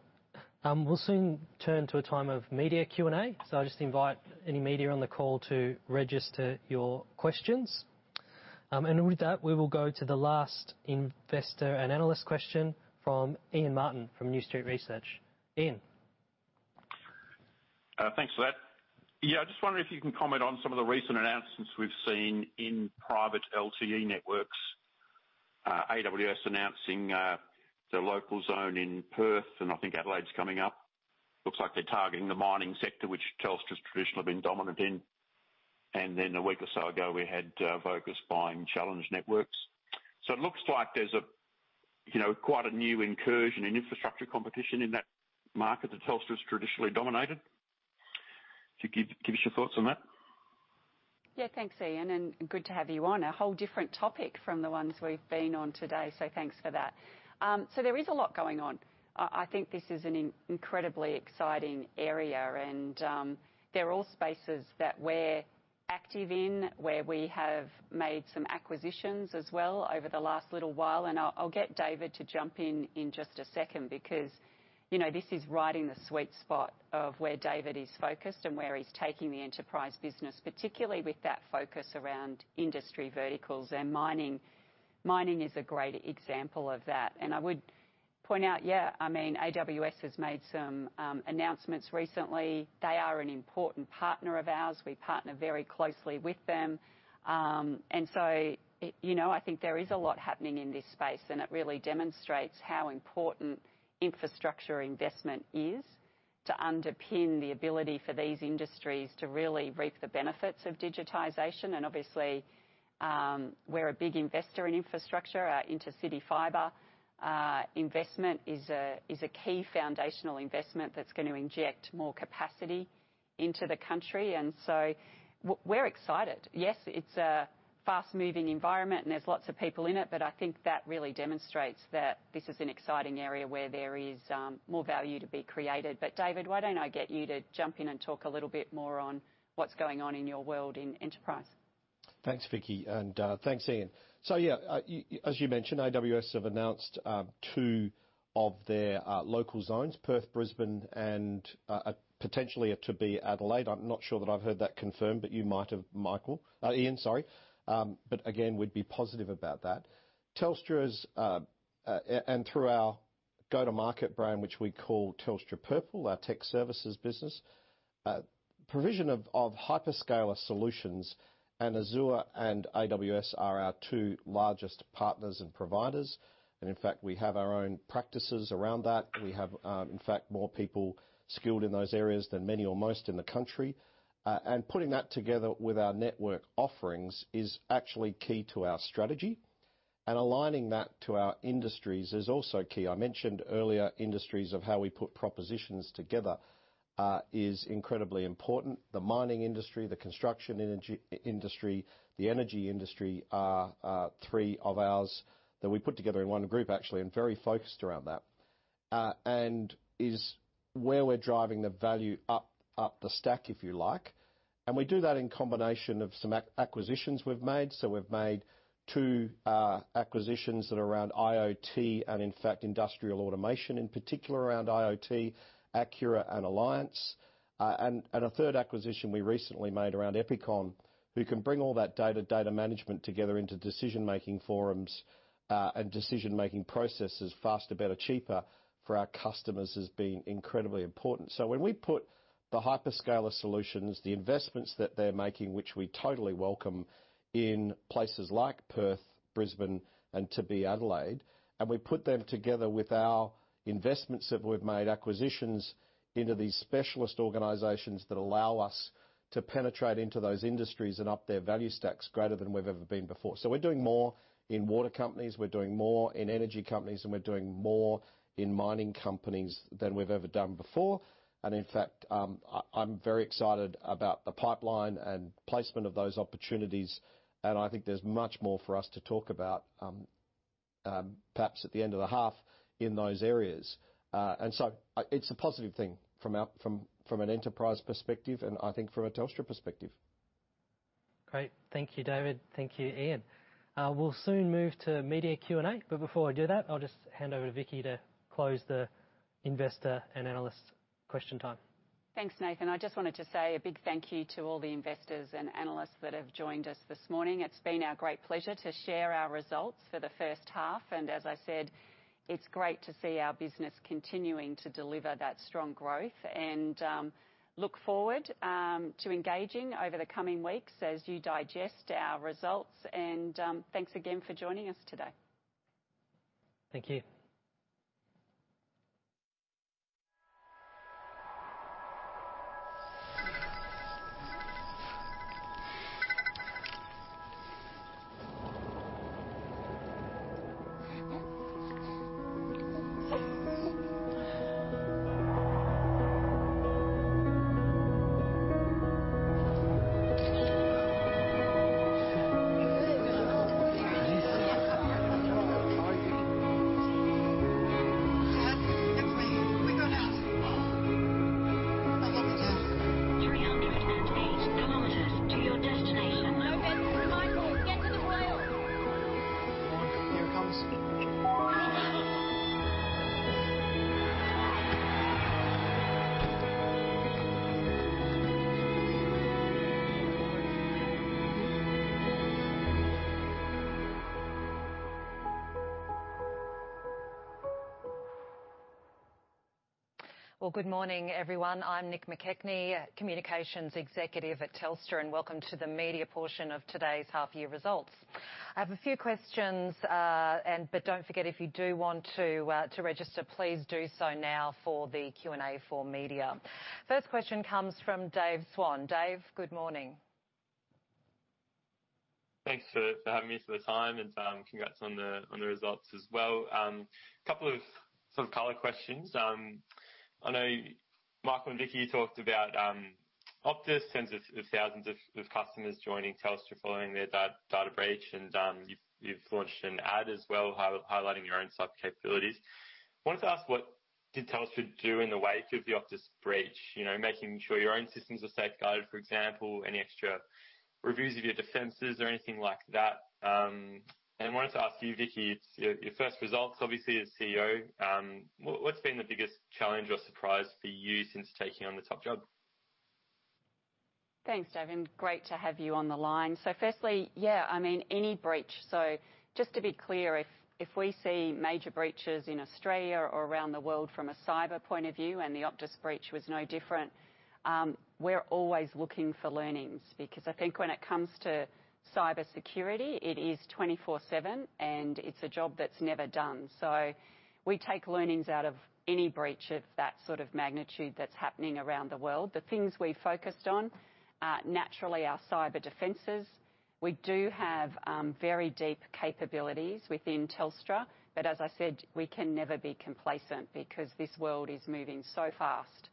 We'll soon turn to a time of media Q&A. I just invite any media on the call to register your questions. With that, we will go to the last investor and analyst question from Ian Martin from New Street Research. Ian? Thanks for that. I just wonder if you can comment on some of the recent announcements we've seen in private LTE networks. AWS announcing the local zone in Perth, and I think Adelaide's coming up. Looks like they're targeting the mining sector, which Telstra's traditionally been dominant in. A week or so ago, we had Vocus buying Challenge Networks. It looks like there's a, you know, quite a new incursion in infrastructure competition in that market that Telstra's traditionally dominated. To give us your thoughts on that? Yeah. Thanks, Ian, and good to have you on. A whole different topic from the ones we've been on today, so thanks for that. There is a lot going on. I think this is an incredibly exciting area, and they're all spaces that we're active in, where we have made some acquisitions as well over the last little while, and I'll get David to jump in in just a second because, you know, this is right in the sweet spot of where David is focused and where he's taking the enterprise business, particularly with that focus around industry verticals and mining. Mining is a great example of that. I would point out, yeah, I mean, AWS has made some announcements recently. They are an important partner of ours. We partner very closely with them. You know, I think there is a lot happening in this space, and it really demonstrates how important infrastructure investment is to underpin the ability for these industries to really reap the benefits of digitization. Obviously, we're a big investor in infrastructure. Our inter-city fiber investment is a key foundational investment that's gonna inject more capacity into the country. So we're excited. Yes, it's a fast-moving environment and there's lots of people in it, but I think that really demonstrates that this is an exciting area where there is more value to be created. David, why don't I get you to jump in and talk a little bit more on what's going on in your world in Enterprise? Thanks, Vicki, and thanks, Ian. Yeah, as you mentioned, AWS have announced two of their local zones, Perth, Brisbane, and potentially to be Adelaide. I'm not sure that I've heard that confirmed, but you might have, Michael. Ian, sorry. Again, we'd be positive about that. Telstra's, and through our go-to-market brand, which we call Telstra Purple, our tech services business, provision of hyperscaler solutions and Azure and AWS are our two largest partners and providers. In fact, we have our own practices around that. We have, in fact, more people skilled in those areas than many or most in the country. Putting that together with our network offerings is actually key to our strategy. Aligning that to our industries is also key. I mentioned earlier industries of how we put propositions together, is incredibly important. The mining industry, the construction industry, the energy industry are three of ours that we put together in one group, actually, and very focused around that. Is where we're driving the value up the stack, if you like. We do that in combination of some acquisitions we've made. We've made two acquisitions that are around IoT and in fact industrial automation, in particular around IoT, Acquira and Alliance. A third acquisition we recently made around Epicon, who can bring all that data management together into decision-making forums and decision-making processes faster, better, cheaper for our customers as being incredibly important. When we put the hyperscaler solutions, the investments that they're making, which we totally welcome in places like Perth, Brisbane, and to be Adelaide, we put them together with our investments that we've made, acquisitions into these specialist organizations that allow us to penetrate into those industries and up their value stacks greater than we've ever been before. We're doing more in water companies, we're doing more in energy companies, and we're doing more in mining companies than we've ever done before. In fact, I'm very excited about the pipeline and placement of those opportunities, and I think there's much more for us to talk about, perhaps at the end of the half in those areas. It's a positive thing from an enterprise perspective and I think from a Telstra perspective. Great. Thank you, David. Thank you, Ian. We'll soon move to media Q&A, but before I do that, I'll just hand over to Vicki to close the investor and analyst question time. Thanks, Nathan. I just wanted to say a big thank you to all the investors and analysts that have joined us this morning. It's been our great pleasure to share our results for the first half. As I said, it's great to see our business continuing to deliver that strong growth. Look forward to engaging over the coming weeks as you digest our results, thanks again for joining us today. Thank you. Well, good morning, everyone. I'm Nic McKechnie, communications executive at Telstra, and welcome to the media portion of today's half year results. I have a few questions, and but don't forget, if you do want to register, please do so now for the Q&A for media. First question comes from David Swan. Dave, good morning. Thanks for having me at this time, and congrats on the results as well. Couple of sort of color questions. I know Michael and Vicki, you talked about Optus, tens of thousands of customers joining Telstra following their data breach. You've launched an ad as well, highlighting your own cyber capabilities. Wanted to ask, what did Telstra do in the wake of the Optus breach? You know, making sure your own systems are safeguarded, for example, any extra reviews of your defenses or anything like that. Wanted to ask you, Vicki, it's your first results obviously as CEO. What's been the biggest challenge or surprise for you since taking on the top job? Thanks, Dave. Great to have you on the line. Firstly, I mean, any breach. Just to be clear, if we see major breaches in Australia or around the world from a cyber point of view, and the Optus breach was no different, we're always looking for learnings. I think when it comes to cybersecurity, it is 24/7, and it's a job that's never done. We take learnings out of any breach of that sort of magnitude that's happening around the world. The things we're focused on are naturally our cyber defenses. We do have very deep capabilities within Telstra. As I said, we can never be complacent because this world is moving so fast.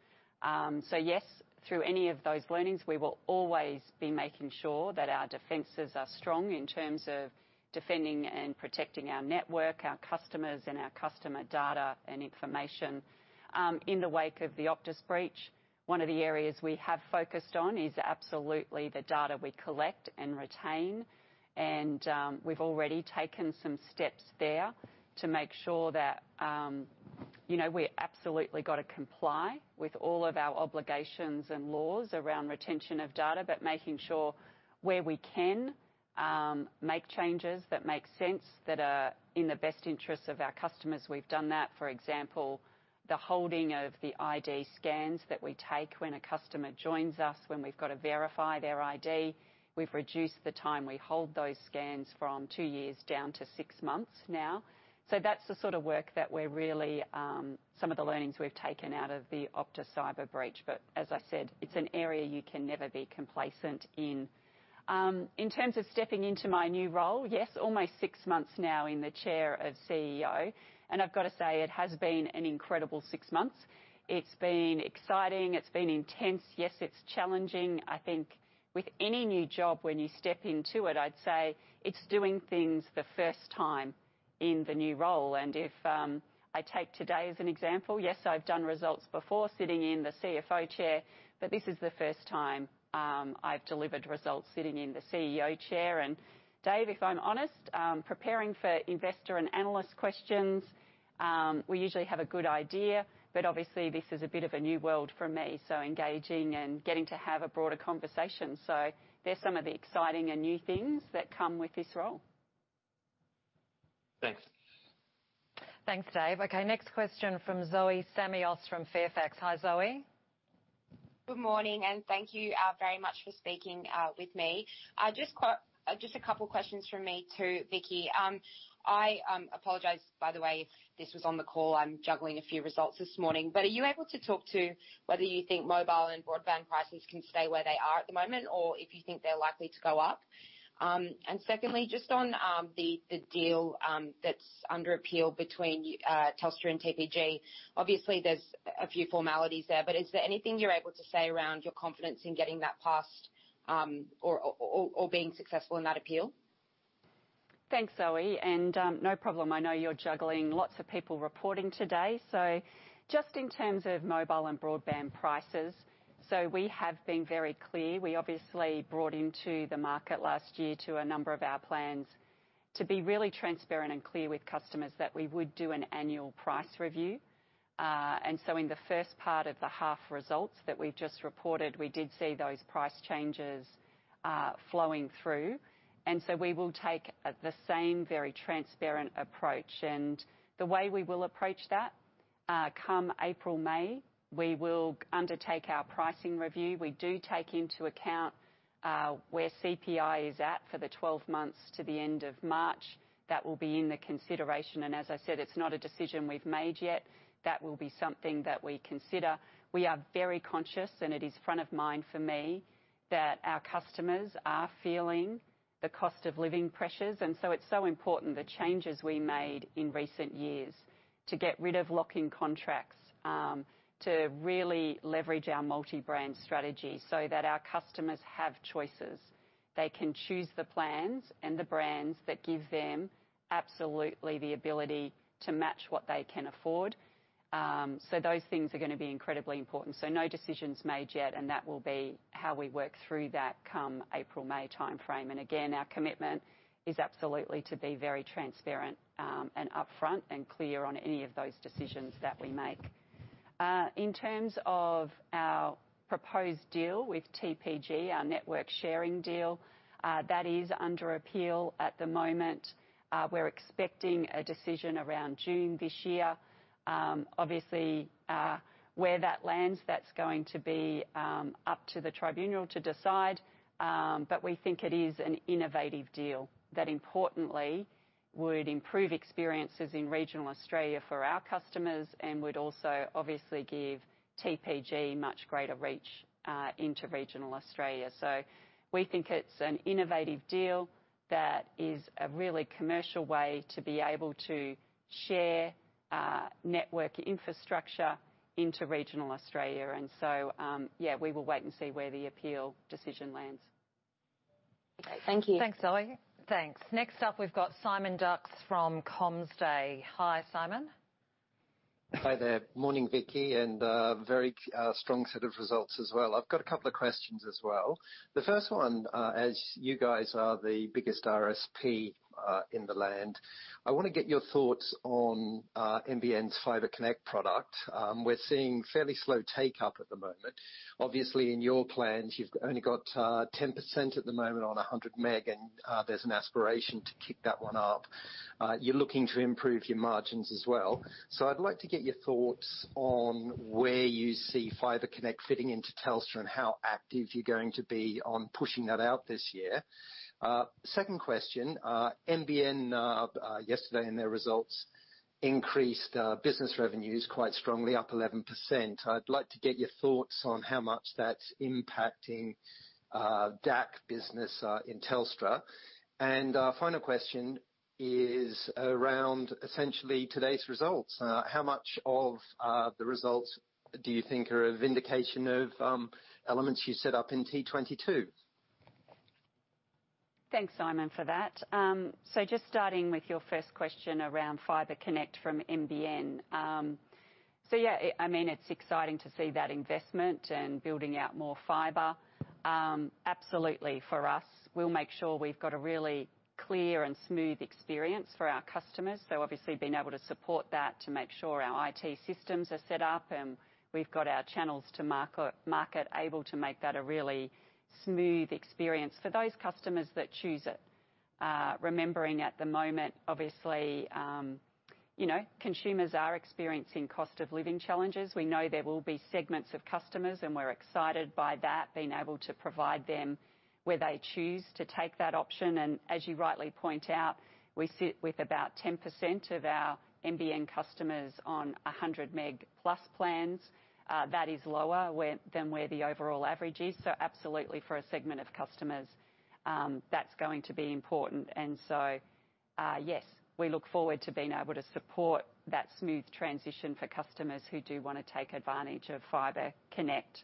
Yes, through any of those learnings, we will always be making sure that our defenses are strong in terms of defending and protecting our network, our customers, and our customer data and information. In the wake of the Optus breach, one of the areas we have focused on is absolutely the data we collect and retain. We've already taken some steps there to make sure that we absolutely got to comply with all of our obligations and laws around retention of data. Making sure where we can make changes that make sense, that are in the best interests of our customers, we've done that. For example, the holding of the ID scans that we take when a customer joins us, when we've got to verify their ID. We've reduced the time we hold those scans from 2 years down to 6 months now. That's the sort of work that we're really, some of the learnings we've taken out of the Optus cyber breach. As I said, it's an area you can never be complacent in. In terms of stepping into my new role, yes, almost 6 months now in the chair of CEO, and I've gotta say it has been an incredible 6 months. It's been exciting. It's been intense. Yes, it's challenging. I think with any new job, when you step into it, I'd say it's doing things the first time in the new role. If I take today as an example, yes, I've done results before sitting in the CFO chair, this is the first time I've delivered results sitting in the CEO chair. Dave, if I'm honest, preparing for investor and analyst questions, we usually have a good idea, but obviously, this is a bit of a new world for me, so engaging and getting to have a broader conversation. There's some of the exciting and new things that come with this role. Thanks. Thanks, Dave. Okay, next question from Zoe Samios from Fairfax. Hi, Zoe. Good morning, and thank you very much for speaking with me. Just a couple questions from me to Vicki. I apologize by the way this was on the call. I'm juggling a few results this morning. Are you able to talk to whether you think mobile and broadband prices can stay where they are at the moment, or if you think they're likely to go up? Secondly, just on the deal that's under appeal between Telstra and TPG. Obviously there's a few formalities there, but is there anything you're able to say around your confidence in getting that passed or being successful in that appeal? Thanks, Zoe, and no problem. I know you're juggling lots of people reporting today. Just in terms of mobile and broadband prices. We have been very clear. We obviously brought into the market last year to a number of our plans to be really transparent and clear with customers that we would do an annual price review. In the first part of the half results that we've just reported, we did see those price changes flowing through. We will take the same very transparent approach. The way we will approach that, come April, May, we will undertake our pricing review. We do take into account where CPI is at for the 12 months to the end of March. That will be in the consideration and as I said, it's not a decision we've made yet. That will be something that we consider. We are very conscious, and it is front of mind for me, that our customers are feeling the cost of living pressures. It's so important the changes we made in recent years to get rid of lock-in contracts to really leverage our multi-brand strategy so that our customers have choices. They can choose the plans and the brands that give them absolutely the ability to match what they can afford. Those things are going to be incredibly important. No decisions made yet, and that will be how we work through that come April, May timeframe. Our commitment is absolutely to be very transparent and upfront and clear on any of those decisions that we make. In terms of our proposed deal with TPG, our network sharing deal, that is under appeal at the moment. We're expecting a decision around June this year. Obviously, where that lands, that's going to be up to the tribunal to decide. We think it is an innovative deal that importantly would improve experiences in regional Australia for our customers and would also obviously give TPG much greater reach into regional Australia. We think it's an innovative deal that is a really commercial way to be able to share network infrastructure into regional Australia. Yeah, we will wait and see where the appeal decision lands. Okay. Thank you. Thanks, Zoe. Thanks. Next up, we've got Simon Dux from CommsDay. Hi, Simon. Hi there. Morning, Vicki, and a very strong set of results as well. I've got a couple of questions as well. The first one, as you guys are the biggest RSP in the land, I wanna get your thoughts on NBN's Fibre Connect product. We're seeing fairly slow take-up at the moment. Obviously, in your plans, you've only got 10% at the moment on 100 meg, and there's an aspiration to kick that one up. You're looking to improve your margins as well. I'd like to get your thoughts on where you see Fibre Connect fitting into Telstra and how active you're going to be on pushing that out this year. Second question, NBN yesterday in their results increased business revenues quite strongly, up 11%. I'd like to get your thoughts on how much that's impacting, DAC business, in Telstra. Our final question is around essentially today's results. How much of the results do you think are a vindication of elements you set up in T22? Thanks, Simon, for that. Just starting with your first question around Fibre Connect from NBN. I mean, it's exciting to see that investment and building out more fiber. Absolutely for us, we'll make sure we've got a really clear and smooth experience for our customers. Obviously being able to support that to make sure our IT systems are set up and we've got our channels to market able to make that a really smooth experience for those customers that choose it. Remembering at the moment, obviously, you know, consumers are experiencing cost of living challenges. We know there will be segments of customers, and we're excited by that, being able to provide them where they choose to take that option. As you rightly point out, we sit with about 10% of our NBN customers on 100 meg-plus plans. That is lower than where the overall average is. Absolutely for a segment of customers, that's going to be important. Yes, we look forward to being able to support that smooth transition for customers who do wanna take advantage of Fibre Connect.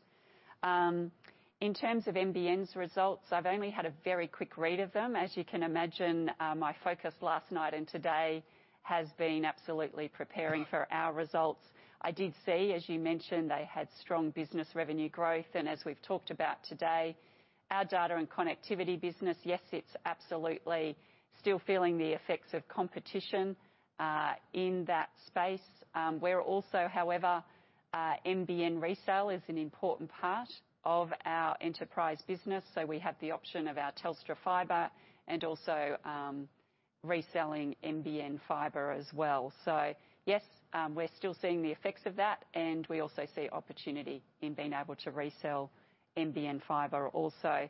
In terms of NBN's results, I've only had a very quick read of them. As you can imagine, my focus last night and today has been absolutely preparing for our results. I did see, as you mentioned, they had strong business revenue growth, and as we've talked about today, our data and connectivity business, yes, it's absolutely still feeling the effects of competition in that space. We're also, however, NBN Resale is an important part of our enterprise business. We have the option of our Telstra Fibre and also reselling NBN fibre as well. Yes, we're still seeing the effects of that, and we also see opportunity in being able to resell NBN fibre also.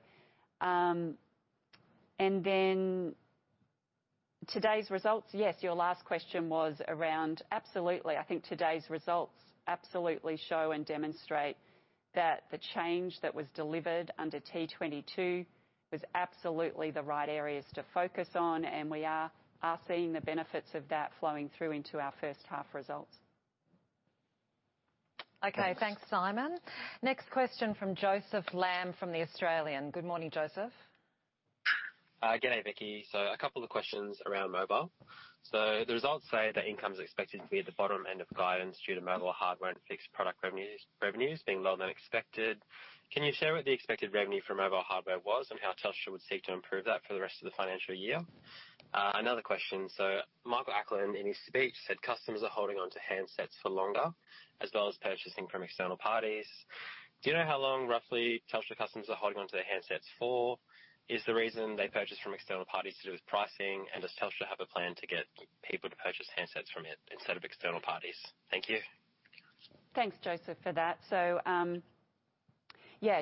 Today's results, yes, your last question was around absolutely. I think today's results absolutely show and demonstrate that the change that was delivered under T22 was absolutely the right areas to focus on, and we are seeing the benefits of that flowing through into our first half results. Okay. Thanks, Simon. Next question from Joseph Lam from The Australian. Good morning, Joseph. G'day, Vicki. A couple of questions around mobile. The results say that income's expected to be at the bottom end of guidance due to mobile hardware and fixed product revenues being lower than expected. Can you share what the expected revenue from mobile hardware was and how Telstra would seek to improve that for the rest of the financial year? Another question. Michael Ackland, in his speech, said customers are holding on to handsets for longer as well as purchasing from external parties. Do you know how long, roughly, Telstra customers are holding onto their handsets for? Is the reason they purchase from external parties to do with pricing? Does Telstra have a plan to get people to purchase handsets from it instead of external parties? Thank you. Thanks, Joseph, for that.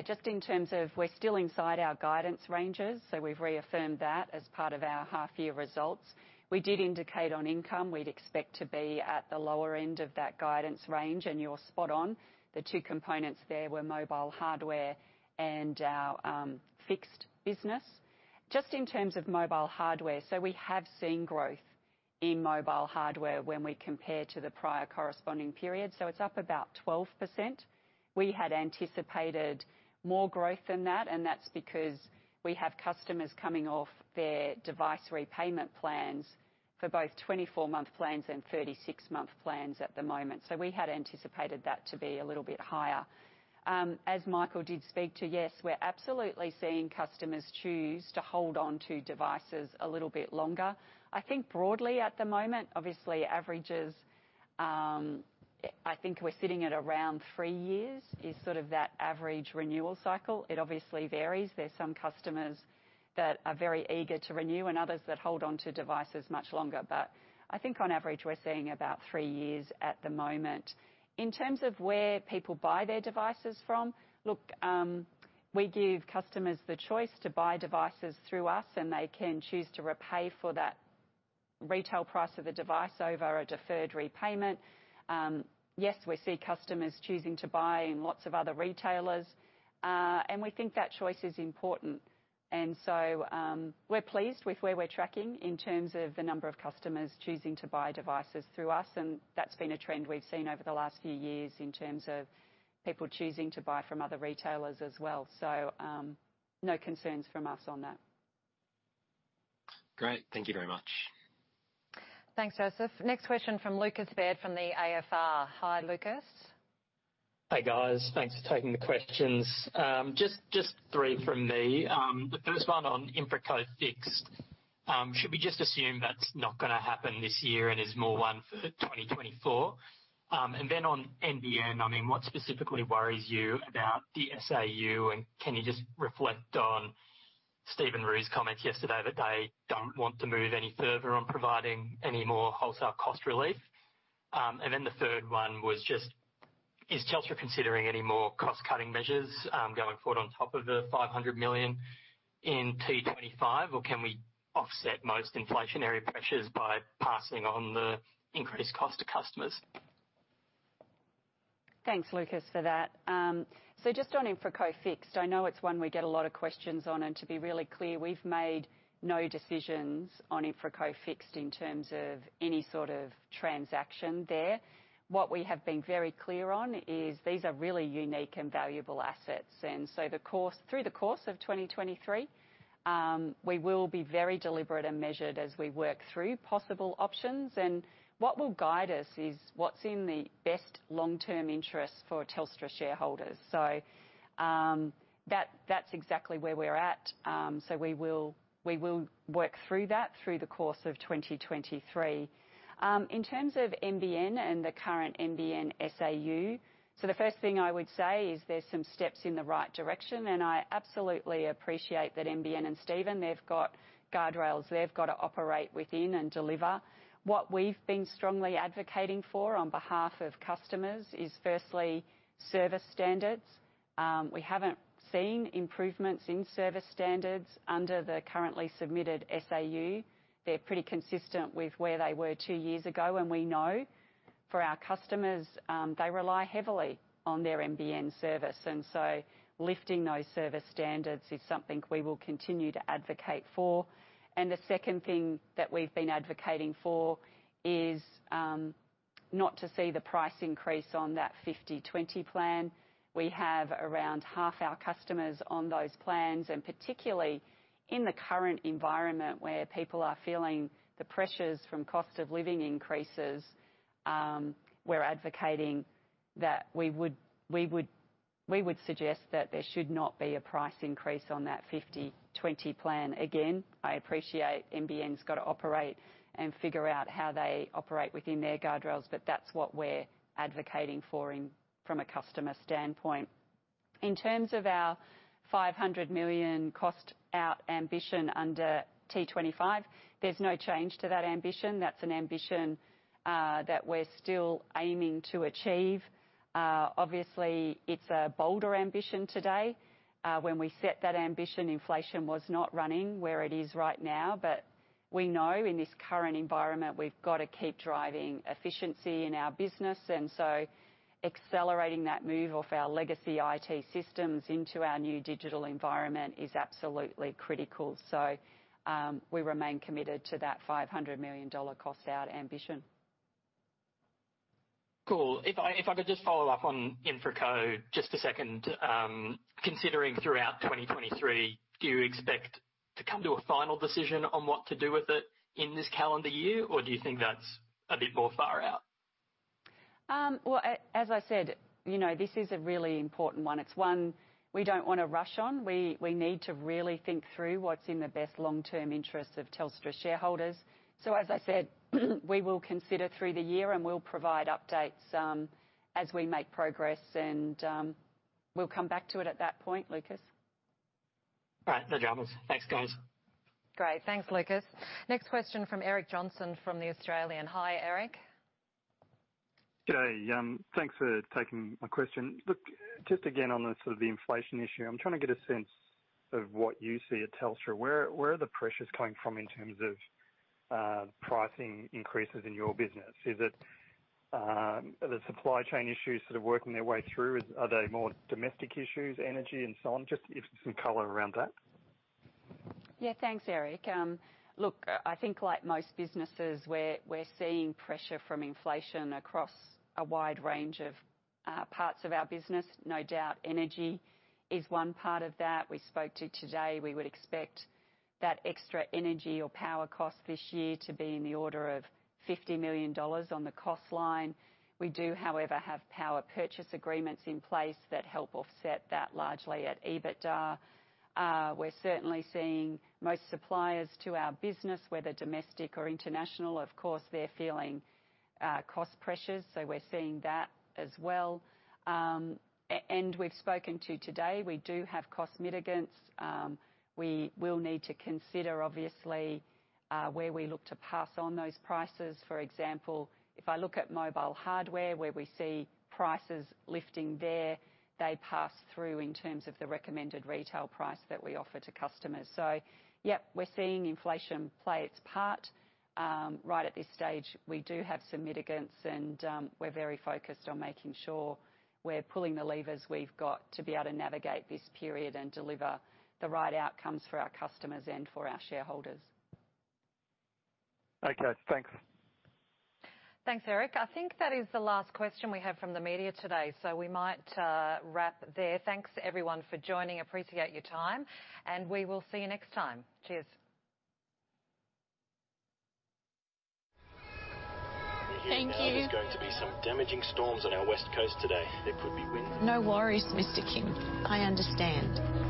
Just in terms of we're still inside our guidance ranges, we've reaffirmed that as part of our half-year results. We did indicate on income we'd expect to be at the lower end of that guidance range, and you're spot on. The two components there were mobile hardware and our fixed business. Just in terms of mobile hardware, we have seen growth in mobile hardware when we compare to the prior corresponding period, it's up about 12%. We had anticipated more growth than that, and that's because we have customers coming off their device repayment plans for both 24-month plans and 36-month plans at the moment. We had anticipated that to be a little bit higher. As Michael did speak to, yes, we're absolutely seeing customers choose to hold onto devices a little bit longer. I think broadly at the moment, obviously averages, I think we're sitting at around 3 years is sort of that average renewal cycle. It obviously varies. There's some customers that are very eager to renew and others that hold onto devices much longer. I think on average, we're seeing about 3 years at the moment. In terms of where people buy their devices from, look, we give customers the choice to buy devices through us, and they can choose to repay for that retail price of the device over a deferred repayment. Yes, we see customers choosing to buy in lots of other retailers, and we think that choice is important. We're pleased with where we're tracking in terms of the number of customers choosing to buy devices through us, and that's been a trend we've seen over the last few years in terms of people choosing to buy from other retailers as well. No concerns from us on that. Great. Thank you very much. Thanks, Joseph. Next question from Lucas Baird from the AFR. Hi, Lucas. Hey, guys. Thanks for taking the questions. Just 3 from me. The first one on InfraCo Fixed. Should we just assume that's not gonna happen this year and is more one for 2024? On NBN, I mean, what specifically worries you about the SAU? Can you just reflect on Stephen Rue's comment yesterday that they don't want to move any further on providing any more wholesale cost relief? Then the 3rd one was just is Telstra considering any more cost-cutting measures going forward on top of the 500 million in T25 or can we offset most inflationary pressures by passing on the increased cost to customers? Thanks, Lucas, for that. Just on InfraCo Fixed, I know it's one we get a lot of questions on. To be really clear, we've made no decisions on InfraCo Fixed in terms of any sort of transaction there. What we have been very clear on is these are really unique and valuable assets. Through the course of 2023, we will be very deliberate and measured as we work through possible options. What will guide us is what's in the best long-term interest for Telstra shareholders. That's exactly where we're at. We will work through that through the course of 2023. In terms of NBN and the current NBN SAU, the first thing I would say is there's some steps in the right direction, and I absolutely appreciate that NBN and Stephen, they've got guardrails they've got to operate within and deliver. What we've been strongly advocating for on behalf of customers is firstly service standards. We haven't seen improvements in service standards under the currently submitted SAU. They're pretty consistent with where they were two years ago, and we know for our customers, they rely heavily on their NBN service. Lifting those service standards is something we will continue to advocate for. The second thing that we've been advocating for is not to see the price increase on t hat 50/20 plan. We have around half our customers on those plans, particularly in the current environment where people are feeling the pressures from cost of living increases, we would suggest that there should not be a price increase on that 50/20 plan. Again, I appreciate NBN's got to operate and figure out how they operate within their guardrails, that's what we're advocating for from a customer standpoint. In terms of our 500 million cost out ambition under T25, there's no change to that ambition. That's an ambition that we're still aiming to achieve. Obviously, it's a bolder ambition today. When we set that ambition, inflation was not running where it is right now. We know in this current environment we've got to keep driving efficiency in our business. Accelerating that move off our legacy IT systems into our new digital environment is absolutely critical. We remain committed to that 500 million dollar cost out ambition. Cool. If I could just follow up on InfraCo just a second. Considering throughout 2023, do you expect to come to a final decision on what to do with it in this calendar year, or do you think that's a bit more far out? Well, as I said, you know, this is a really important one. It's one we don't wanna rush on. We need to really think through what's in the best long-term interests of Telstra shareholders. As I said, we will consider through the year, and we'll provide updates, as we make progress, and we'll come back to it at that point, Lucas. All right. No dramas. Thanks, guys. Great. Thanks, Lucas. Next question from Eric Johnston from The Australian. Hi, Eric. G'day. Thanks for taking my question. Look, just again on the sort of the inflation issue, I'm trying to get a sense of what you see at Telstra. Where are the pressures coming from in terms of pricing increases in your business? Is it, are the supply chain issues sort of working their way through? Are they more domestic issues, energy and so on? Just give some color around that. Yeah, thanks, Eric. Look, I think like most businesses we're seeing pressure from inflation across a wide range of parts of our business. No doubt energy is one part of that. We spoke to today, we would expect that extra energy or power cost this year to be in the order of $50 million on the cost line. We do, however, have power purchase agreements in place that help offset that largely at EBITDA. We're certainly seeing most suppliers to our business, whether domestic or international, of course, they're feeling cost pressures, we're seeing that as well. We've spoken to today, we do have cost mitigants. We will need to consider obviously, where we look to pass on those prices. For example, if I look at mobile hardware, where we see prices lifting there, they pass through in terms of the recommended retail price that we offer to customers. Yeah, we're seeing inflation play its part. Right at this stage, we do have some mitigants, and we're very focused on making sure we're pulling the levers we've got to be able to navigate this period and deliver the right outcomes for our customers and for our shareholders. Okay, thanks. Thanks, Eric. I think that is the last question we have from the media today, so we might wrap there. Thanks everyone for joining. Appreciate your time. We will see you next time. Cheers. Thank you.